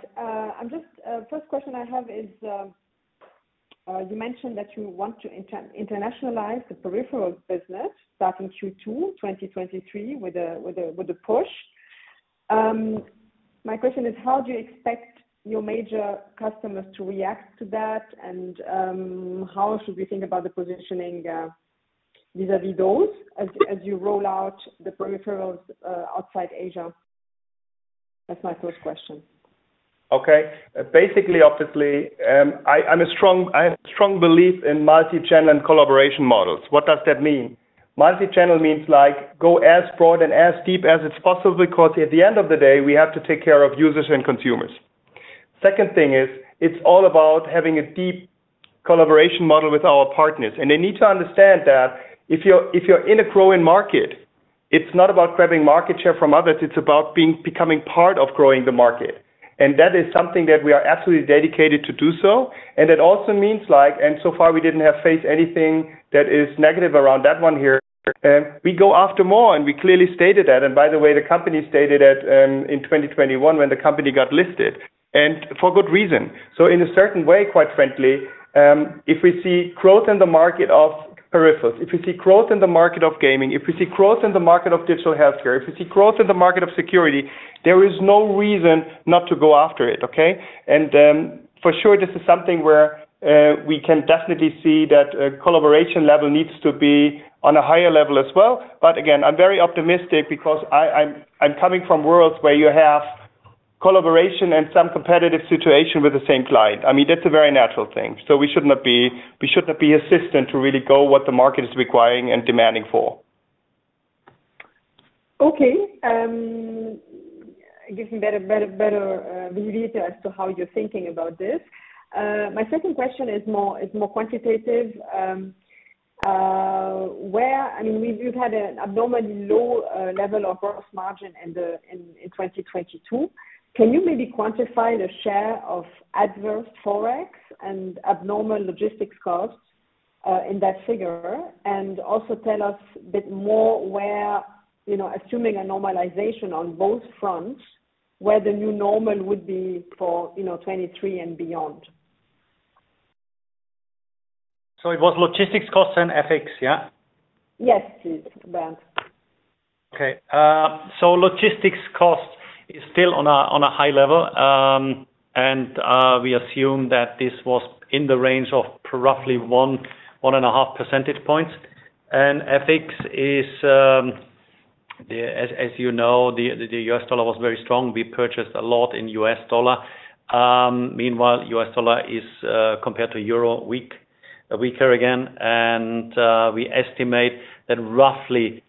first question I have is, you mentioned that you want to internationalize the peripherals business starting Q2 2023 with a push. My question is, how do you expect your major customers to react to that, and how should we think about the positioning vis-a-vis those as you roll out the peripherals outside Asia? That's my first question. Okay. Basically, obviously I have strong belief in multi-channel and collaboration models. What does that mean? Multi-channel means like go as broad and as deep as it's possible, because at the end of the day, we have to take care of users and consumers. Second thing is, it's all about having a deep collaboration model with our partners. They need to understand that if you're in a growing market, it's not about grabbing market share from others, it's about becoming part of growing the market. That is something that we are absolutely dedicated to do so, and so far we didn't have faced anything that is negative around that one here. We go after more, and we clearly stated that. By the way, the company stated it in 2021 when the company got listed, and for good reason. In a certain way, quite frankly, if we see growth in the market of peripherals, if we see growth in the market of gaming, if we see growth in the market of digital healthcare, if we see growth in the market of security, there is no reason not to go after it, okay? For sure this is something where we can definitely see that a collaboration level needs to be on a higher level as well. Again, I'm very optimistic because I'm coming from worlds where you have collaboration, and some competitive situation with the same client. I mean, that's a very natural thing. We should not be assistant to really go what the market is requiring and demanding for. Okay, it gives me better visibility as to how you're thinking about this. My second question is more quantitative. I mean, you've had an abnormally low level of gross margin in 2022. Can you maybe quantify the share of adverse forex and abnormal logistics costs in that figure? Also, tell us a bit more where, you know, assuming a normalization on both fronts, where the new normal would be for, you know, 2023 and beyond. It was logistics costs and FX, yeah? Yes, please. Both. Okay, logistics cost is still on a high level. We assume that this was in the range of roughly 1-1.5 percentage points. FX is, as you know, the U.S. dollar was very strong. We purchased a lot in U.S. dollar. Meanwhile, U.S. dollar is compared to euro, weaker again. We estimate that roughly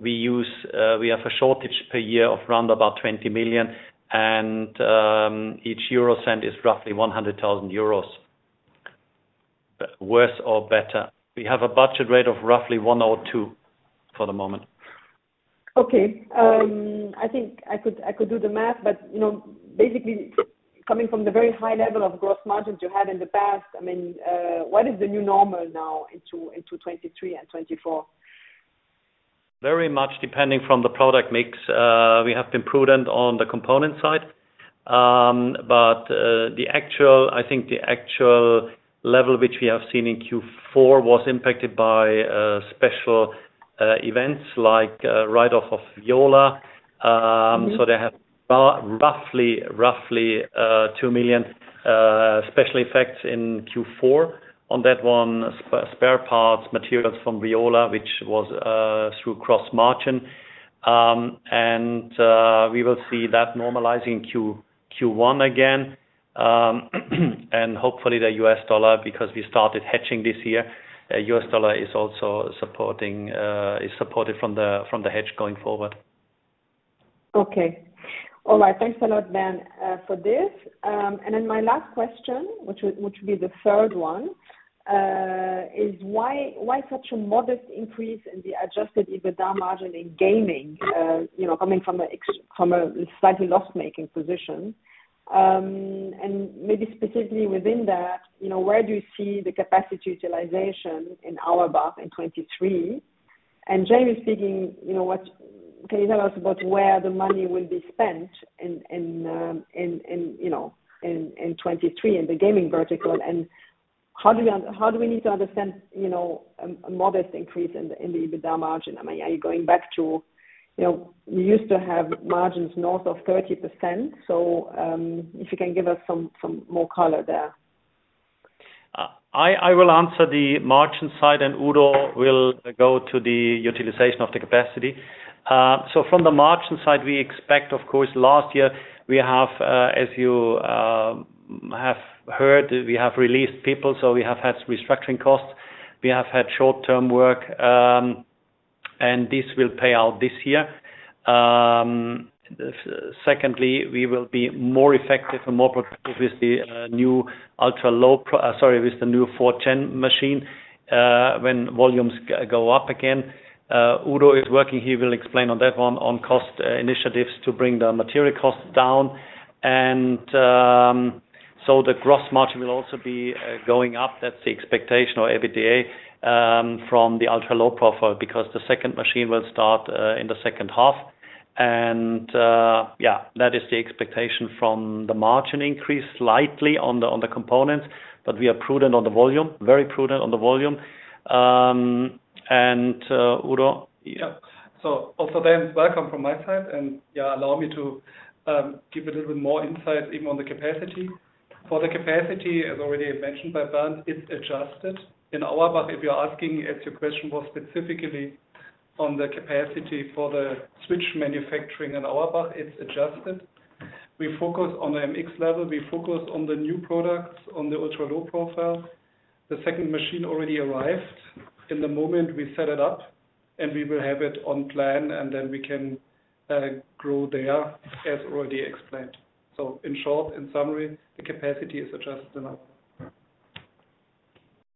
we use we have a shortage per year of round about 20 million. Each euro cent is roughly 100,000 euros, worse or better. We have a budget rate of roughly one or two for the moment. Okay. I think I could do the math, but you know, basically coming from the very high level of gross margins you had in the past, I mean, what is the new normal now into 2023 and 2024? Very much depending from the product mix. We have been prudent on the component side. I think the actual level which we have seen in Q4 was impacted by special events like write-off of Viola. They have roughly 2 million special effects in Q4 on that one, spare parts materials from Viola, which was through cross-margin. We will see that normalizing Q1 again. Hopefully, the U.S. dollar, because we started hedging this year, U.S. dollar is also supporting, is supported from the hedge going forward. Okay, all right. Thanks a lot, Bernd for this. My last question, which will be the third one, is why such a modest increase in the adjusted EBITDA margin in gaming, you know, coming from a slightly loss-making position? Maybe specifically within that, you know, where do you see the capacity utilization in Auerbach in 2023? Jamie speaking, you know, can you tell us about where the money will be spent, you know, in 2023 in the gaming vertical? How do we need to understand, you know, a modest increase in the EBITDA margin? I mean, are you going back to, you know, you used to have margins north of 30%. If you can give us some more color there. I will answer the margin side and Udo will go to the utilization of the capacity. From the margin side, we expect, of course last year we have, as you have heard, we have released people, so we have had restructuring costs. We have had short-term work, this will pay out this year. Secondly, we will be more effective and more productive with the new 410 machine when volumes go up again. Udo is working, he will explain on that one on cost initiatives to bring the material costs down. The gross margin will also be going up. That's the expectation or EBITDA from the Ultra Low Profile, because the second machine will start in the second half. Yeah, that is the expectation from the margin increase slightly on the components. We are prudent on the volume, very prudent on the volume. Udo? Also Bernd, welcome from my side. Allow me to give a little bit more insight, even on the capacity. For the capacity, as already mentioned by Bernd, it's adjusted. In Auerbach, if your question was specifically on the capacity for the switch manufacturing in Auerbach, it's adjusted. We focus on the MX level. We focus on the new products, on the Ultra Low Profile. The second machine already arrived. In the moment we set it up, and we will have it on plan and then we can grow there as already explained. In short, in summary, the capacity is adjusted now.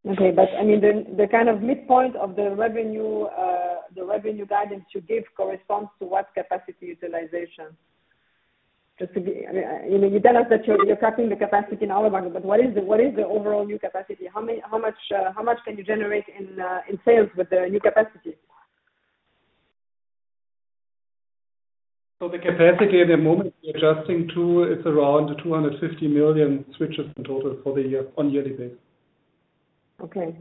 Okay. I mean, the kind of midpoint of the revenue guidance you give corresponds to what capacity utilization? I mean, you know, you tell us that you're cutting the capacity in Auerbach, but what is the overall new capacity? How much can you generate in sales with the new capacity? The capacity at the moment we're adjusting to, it's around 250 million switches in total for the year, on yearly basis. Okay.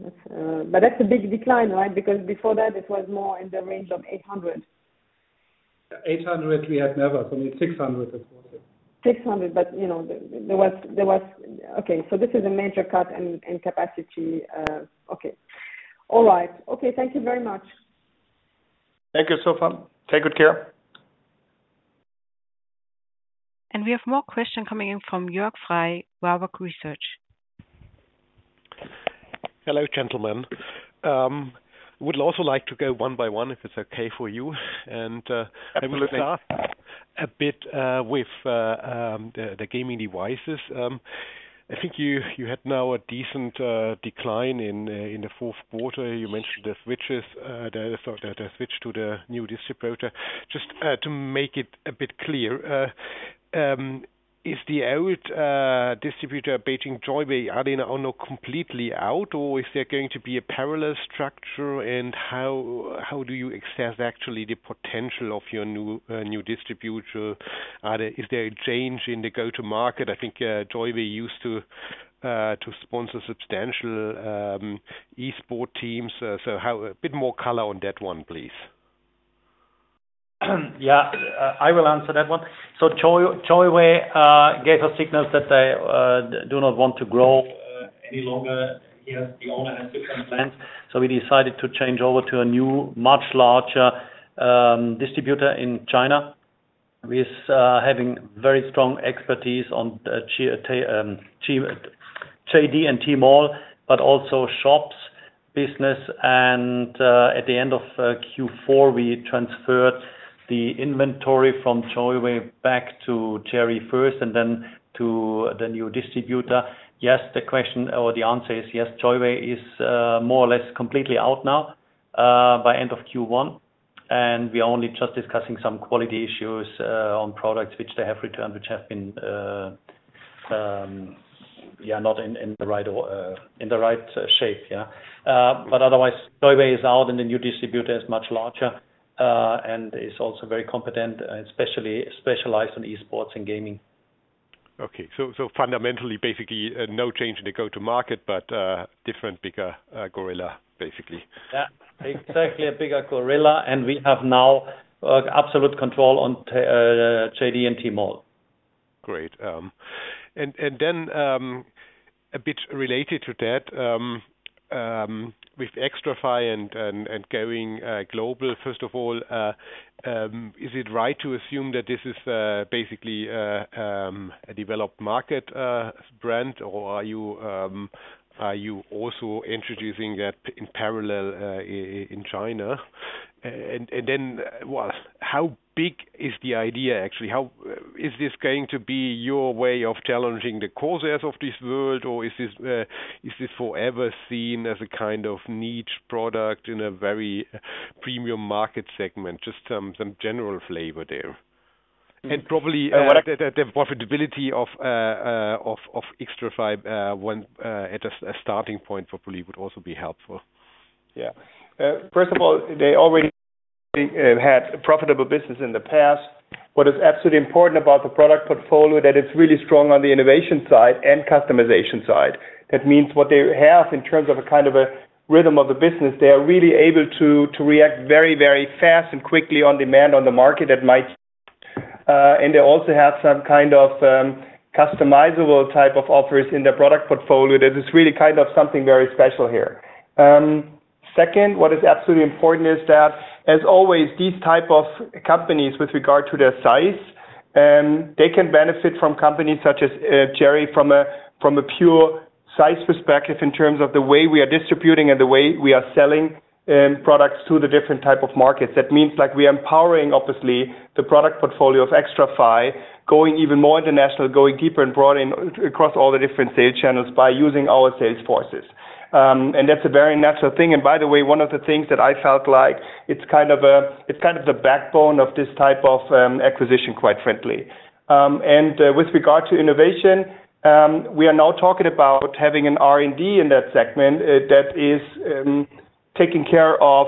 That's a big decline, right? Before that it was more in the range of 800. 800 we had never. 600. This is a major cut in capacity. Okay, all right. Okay, thank you very much. Thank you, Sophie. Take good care. We have more question coming in from Jörg Frey, Warburg Research. Hello, gentlemen. would also like to go one by one if it's okay for you. Absolutely. I will start a bit with the gaming devices. I think you had now a decent decline in the fourth quarter. You mentioned the switches, the switch to the new distributor. Just to make it a bit clear, is the old distributor, Beijing Joyway, are they now completely out or is there going to be a parallel structure? How do you assess actually the potential of your new distributor? Is there a change in the go-to-market? I think Joyway used to sponsor substantial Esport teams. A bit more color on that one, please. Yeah, I will answer that one. Joyway gave us signals that they do not want to grow any longer. He has his own different plans. We decided to change over to a new, much larger distributor in China with having very strong expertise on JD.com and Tmall, but also shops business. At the end of Q4, we transferred the inventory from Joyway back to Cherry first and then to the new distributor. Yes, the question or the answer is yes, Joyway is more or less completely out now by end of Q1. We are only just discussing some quality issues on products which they have returned, which have been not in the right or in the right shape. Otherwise, Joyway is out and the new distributor is much larger, and is also very competent, especially specialized in e-sports and gaming. Okay. Fundamentally, basically, no change in the go-to-market, but different, bigger, gorilla, basically. Yeah. Exactly, a bigger gorilla, and we have now absolute control on JD.com and Tmall. Great. Then a bit related to that, with Xtrfy and Going Global, first of all, is it right to assume that this is basically a developed market brand? Or are you also introducing that in parallel in China? Then, how big is the idea actually? Is this going to be your way of challenging the Corsairs of this world, or is this forever seen as a kind of niche product in a very premium market segment? Just some general flavor there. Probably the profitability of Xtrfy, when at a starting point probably would also be helpful. First of all, they already had a profitable business in the past. What is absolutely important about the product portfolio, that it's really strong on the innovation side and customization side. That means what they have in terms of a kind of a rhythm of the business, they are really able to react very, very fast and quickly on demand on the market that might. They also have some kind of customizable type of offers in their product portfolio, that is really kind of something very special here. Second, what is absolutely important is that, as always, these type of companies with regard to their size, they can benefit from companies such as Cherry from a pure size perspective in terms of the way we are distributing and the way we are selling products to the different type of markets. That means, like, we're empowering obviously the product portfolio of Xtrfy, going even more international, going deeper and broader across all the different sales channels by using our sales forces. That's a very natural thing. By the way, one of the things that I felt like it's kind of the backbone of this type of acquisition, quite frankly. With regard to innovation, we are now talking about having an R&D in that segment that is taking care of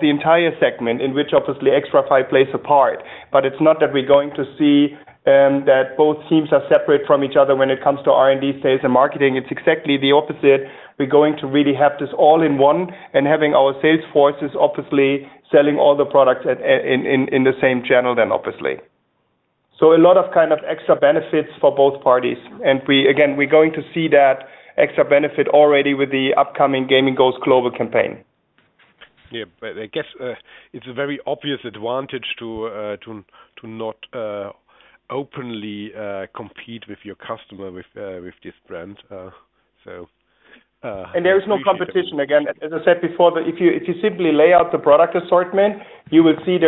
the entire segment in which obviously Xtrfy plays a part. It's not that we're going to see that both teams are separate from each other when it comes to R&D sales and marketing. It's exactly the opposite. We're going to really have this all-in-one, and having our sales forces obviously selling all the products in the same channel then obviously. A lot of kind of extra benefits for both parties. Again, we're going to see that extra benefit already with the upcoming Gaming Goes Global campaign. Yeah. I guess, it's a very obvious advantage to not openly compete with your customer with this brand. There is no competition. Again, as I said before, if you simply lay out the product assortment, you will see.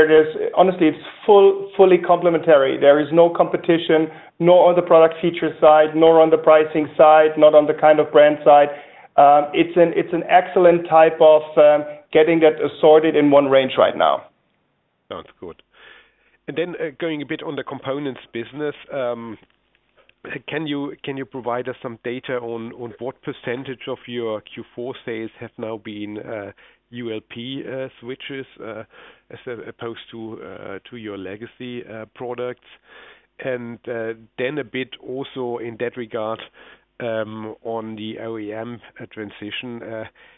Honestly, it's fully complementary. There is no competition nor on the product feature side, nor on the pricing side, not on the kind of brand side. It's an excellent type of getting that assorted in one range right now. Sounds good. Going a bit on the components business, can you provide us some data on what percentage of your Q4 sales have now been ULP switches as opposed to your legacy products? A bit also in that regard, on the OEM transition,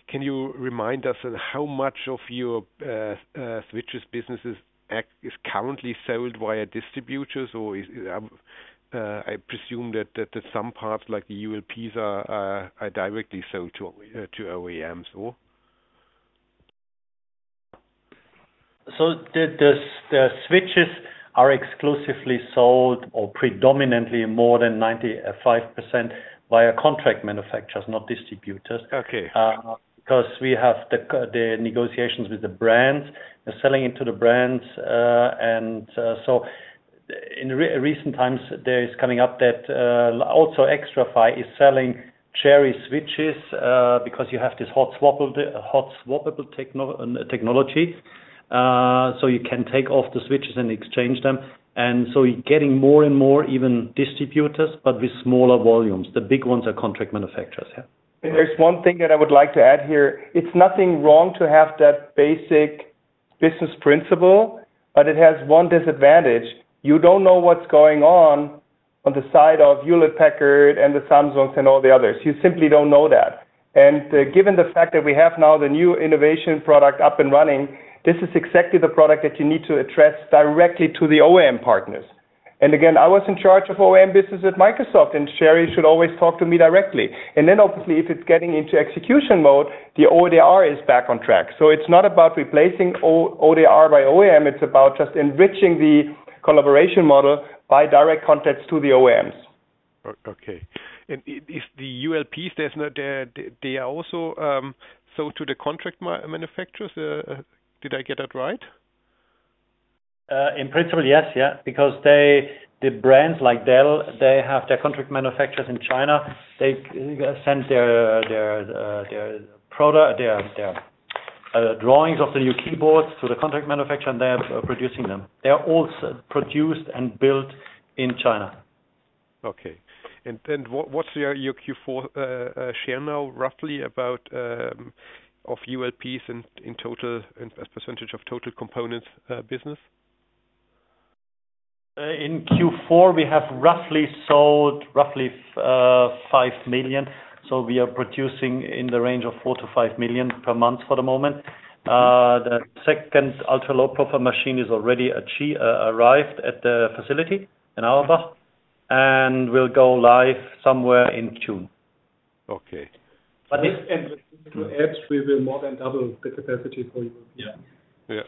can you remind us how much of your switches businesses is currently sold via distributors? Or is, I presume that some parts like the ULPs are directly sold to OEMs or? The switches are exclusively sold or predominantly more than 95% via contract manufacturers, not distributors. Okay. Because we have the negotiations with the brands. We're selling it to the brands, and so in recent times, there is coming up that also Xtrfy is selling Cherry switches, because you have this hot swappable technology. You can take off the switches and exchange them. You're getting more and more even distributors, but with smaller volumes. The big ones are contract manufacturers, yeah. There's one thing that I would like to add here. It's nothing wrong to have that basic business principle, but it has one disadvantage. You don't know what's going on on the side of Hewlett-Packard, and the Samsungs and all the others. You simply don't know that. Given the fact that we have now the new innovation product up and running, this is exactly the product that you need to address directly to the OEM partners. Again, I was in charge of OEM business at Microsoft, and Cherry should always talk to me directly. Obviously, if it's getting into execution mode, the ODR is back on track. It's not about replacing ODR by OEM, it's about just enriching the collaboration model by direct contacts to the OEMs. Okay. If the ULP, they are also sold to the contract manufacturers? Did I get that right? In principle, yes. Yeah, because they the brands like Dell, they have their contract manufacturers in China. They send their product their drawings of the new keyboards to the contract manufacturer, and they are producing them. They are all produced and built in China. Okay. What's your Q4 share now, roughly about of ULPs in total, in percent of total components business? In Q4 we have roughly sold, roughly, 5 million. We are producing in the range of 4 million-5 million per month for the moment. The second Ultra Low Profile machine has already arrived at the facility in Auerbach, and will go live somewhere in June. Okay. To add, we will more than double the capacity for you.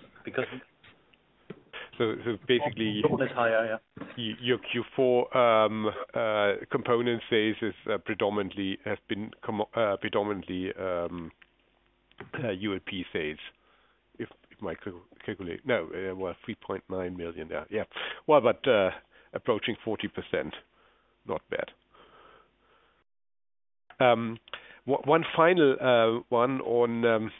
Yeah. Yeah. Higher, yeah. Your Q4 component phase has been predominantly ULP phase, if my calculate. No, well, 3.9 million. Yeah. Well, but approaching 40%, not bad. One final one on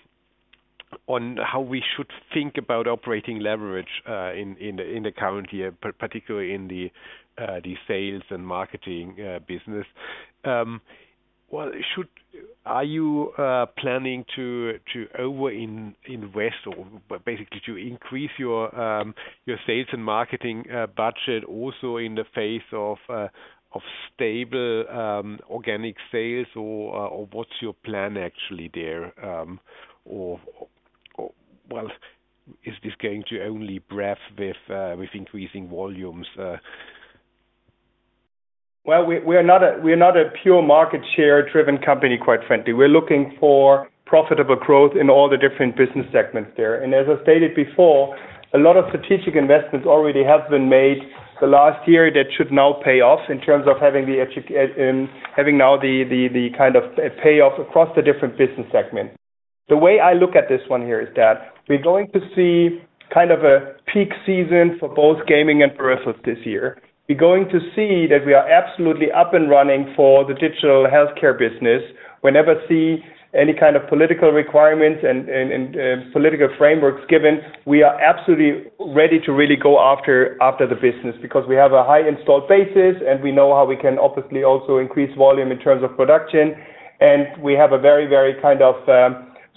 how we should think about operating leverage in the current year, particularly in the sales and marketing business. Well, should you planning to over invest or basically to increase your sales, and marketing budget also in the face of stable organic sales or what's your plan actually there? Well, is this going to only breadth with increasing volumes? Well, we are not a pure market share-driven company, quite frankly. We're looking for profitable growth in all the different business segments there. As I stated before, a lot of strategic investments already have been made the last year that should now pay off in terms of having now the kind of payoff across the different business segments. The way I look at this one here is that we're going to see kind of a peak season for both gaming and peripherals this year. We're going to see that we are absolutely up and running for the digital healthcare business. Whenever see any kind of political requirements and political frameworks given, we are absolutely ready to really go after the business because we have a high installed basis, and we know how we can obviously also increase volume in terms of production. We have a very kind of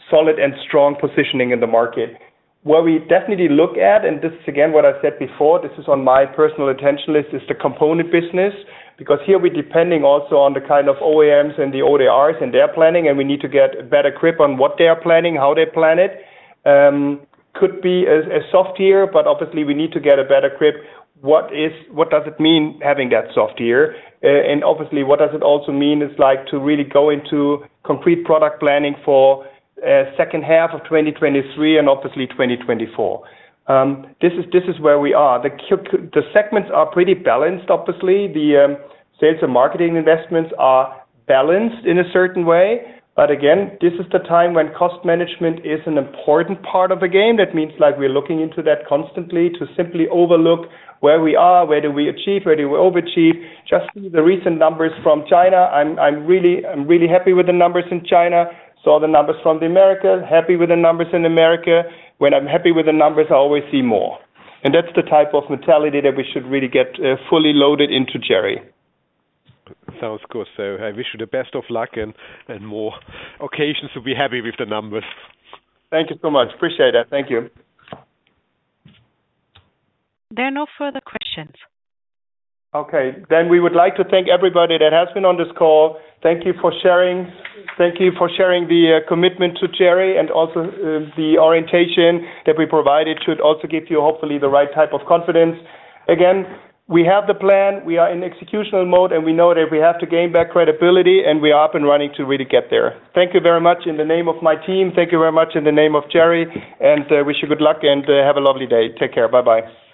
solid and strong positioning in the market. Where we definitely look at, and this is again, what I said before, this is on my personal attention list, is the component business. Here we're depending also on the kind of OEMs and the ODRs and their planning, and we need to get a better grip on what they are planning, how they plan it. Could be a soft year, but obviously we need to get a better grip. What does it mean having that soft year? Obviously, what does it also mean is like to really go into complete product planning for second half of 2023 and obviously 2024. This is where we are. The segments are pretty balanced, obviously. The sales and marketing investments are balanced in a certain way. Again, this is the time when cost management is an important part of the game. That means like, we're looking into that constantly to simply overlook where we are, where do we achieve, where do we overachieve. Just the recent numbers from China, I'm really happy with the numbers in China. Saw the numbers from the America, happy with the numbers in America. When I'm happy with the numbers, I always see more. That's the type of mentality that we should really get fully loaded into Cherry. Sounds good. I wish you the best of luck and more occasions to be happy with the numbers. Thank you so much. Appreciate that. Thank you. There are no further questions. Okay. We would like to thank everybody that has been on this call. Thank you for sharing. Thank you for sharing the commitment to Cherry and also the orientation that we provided should also give you, hopefully, the right type of confidence. Again, we have the plan, we are in executional mode, and we know that we have to gain back credibility and we are up and running to really get there. Thank you very much in the name of my team. Thank you very much in the name of Cherry, and wish you good luck and have a lovely day. Take care. Bye-bye.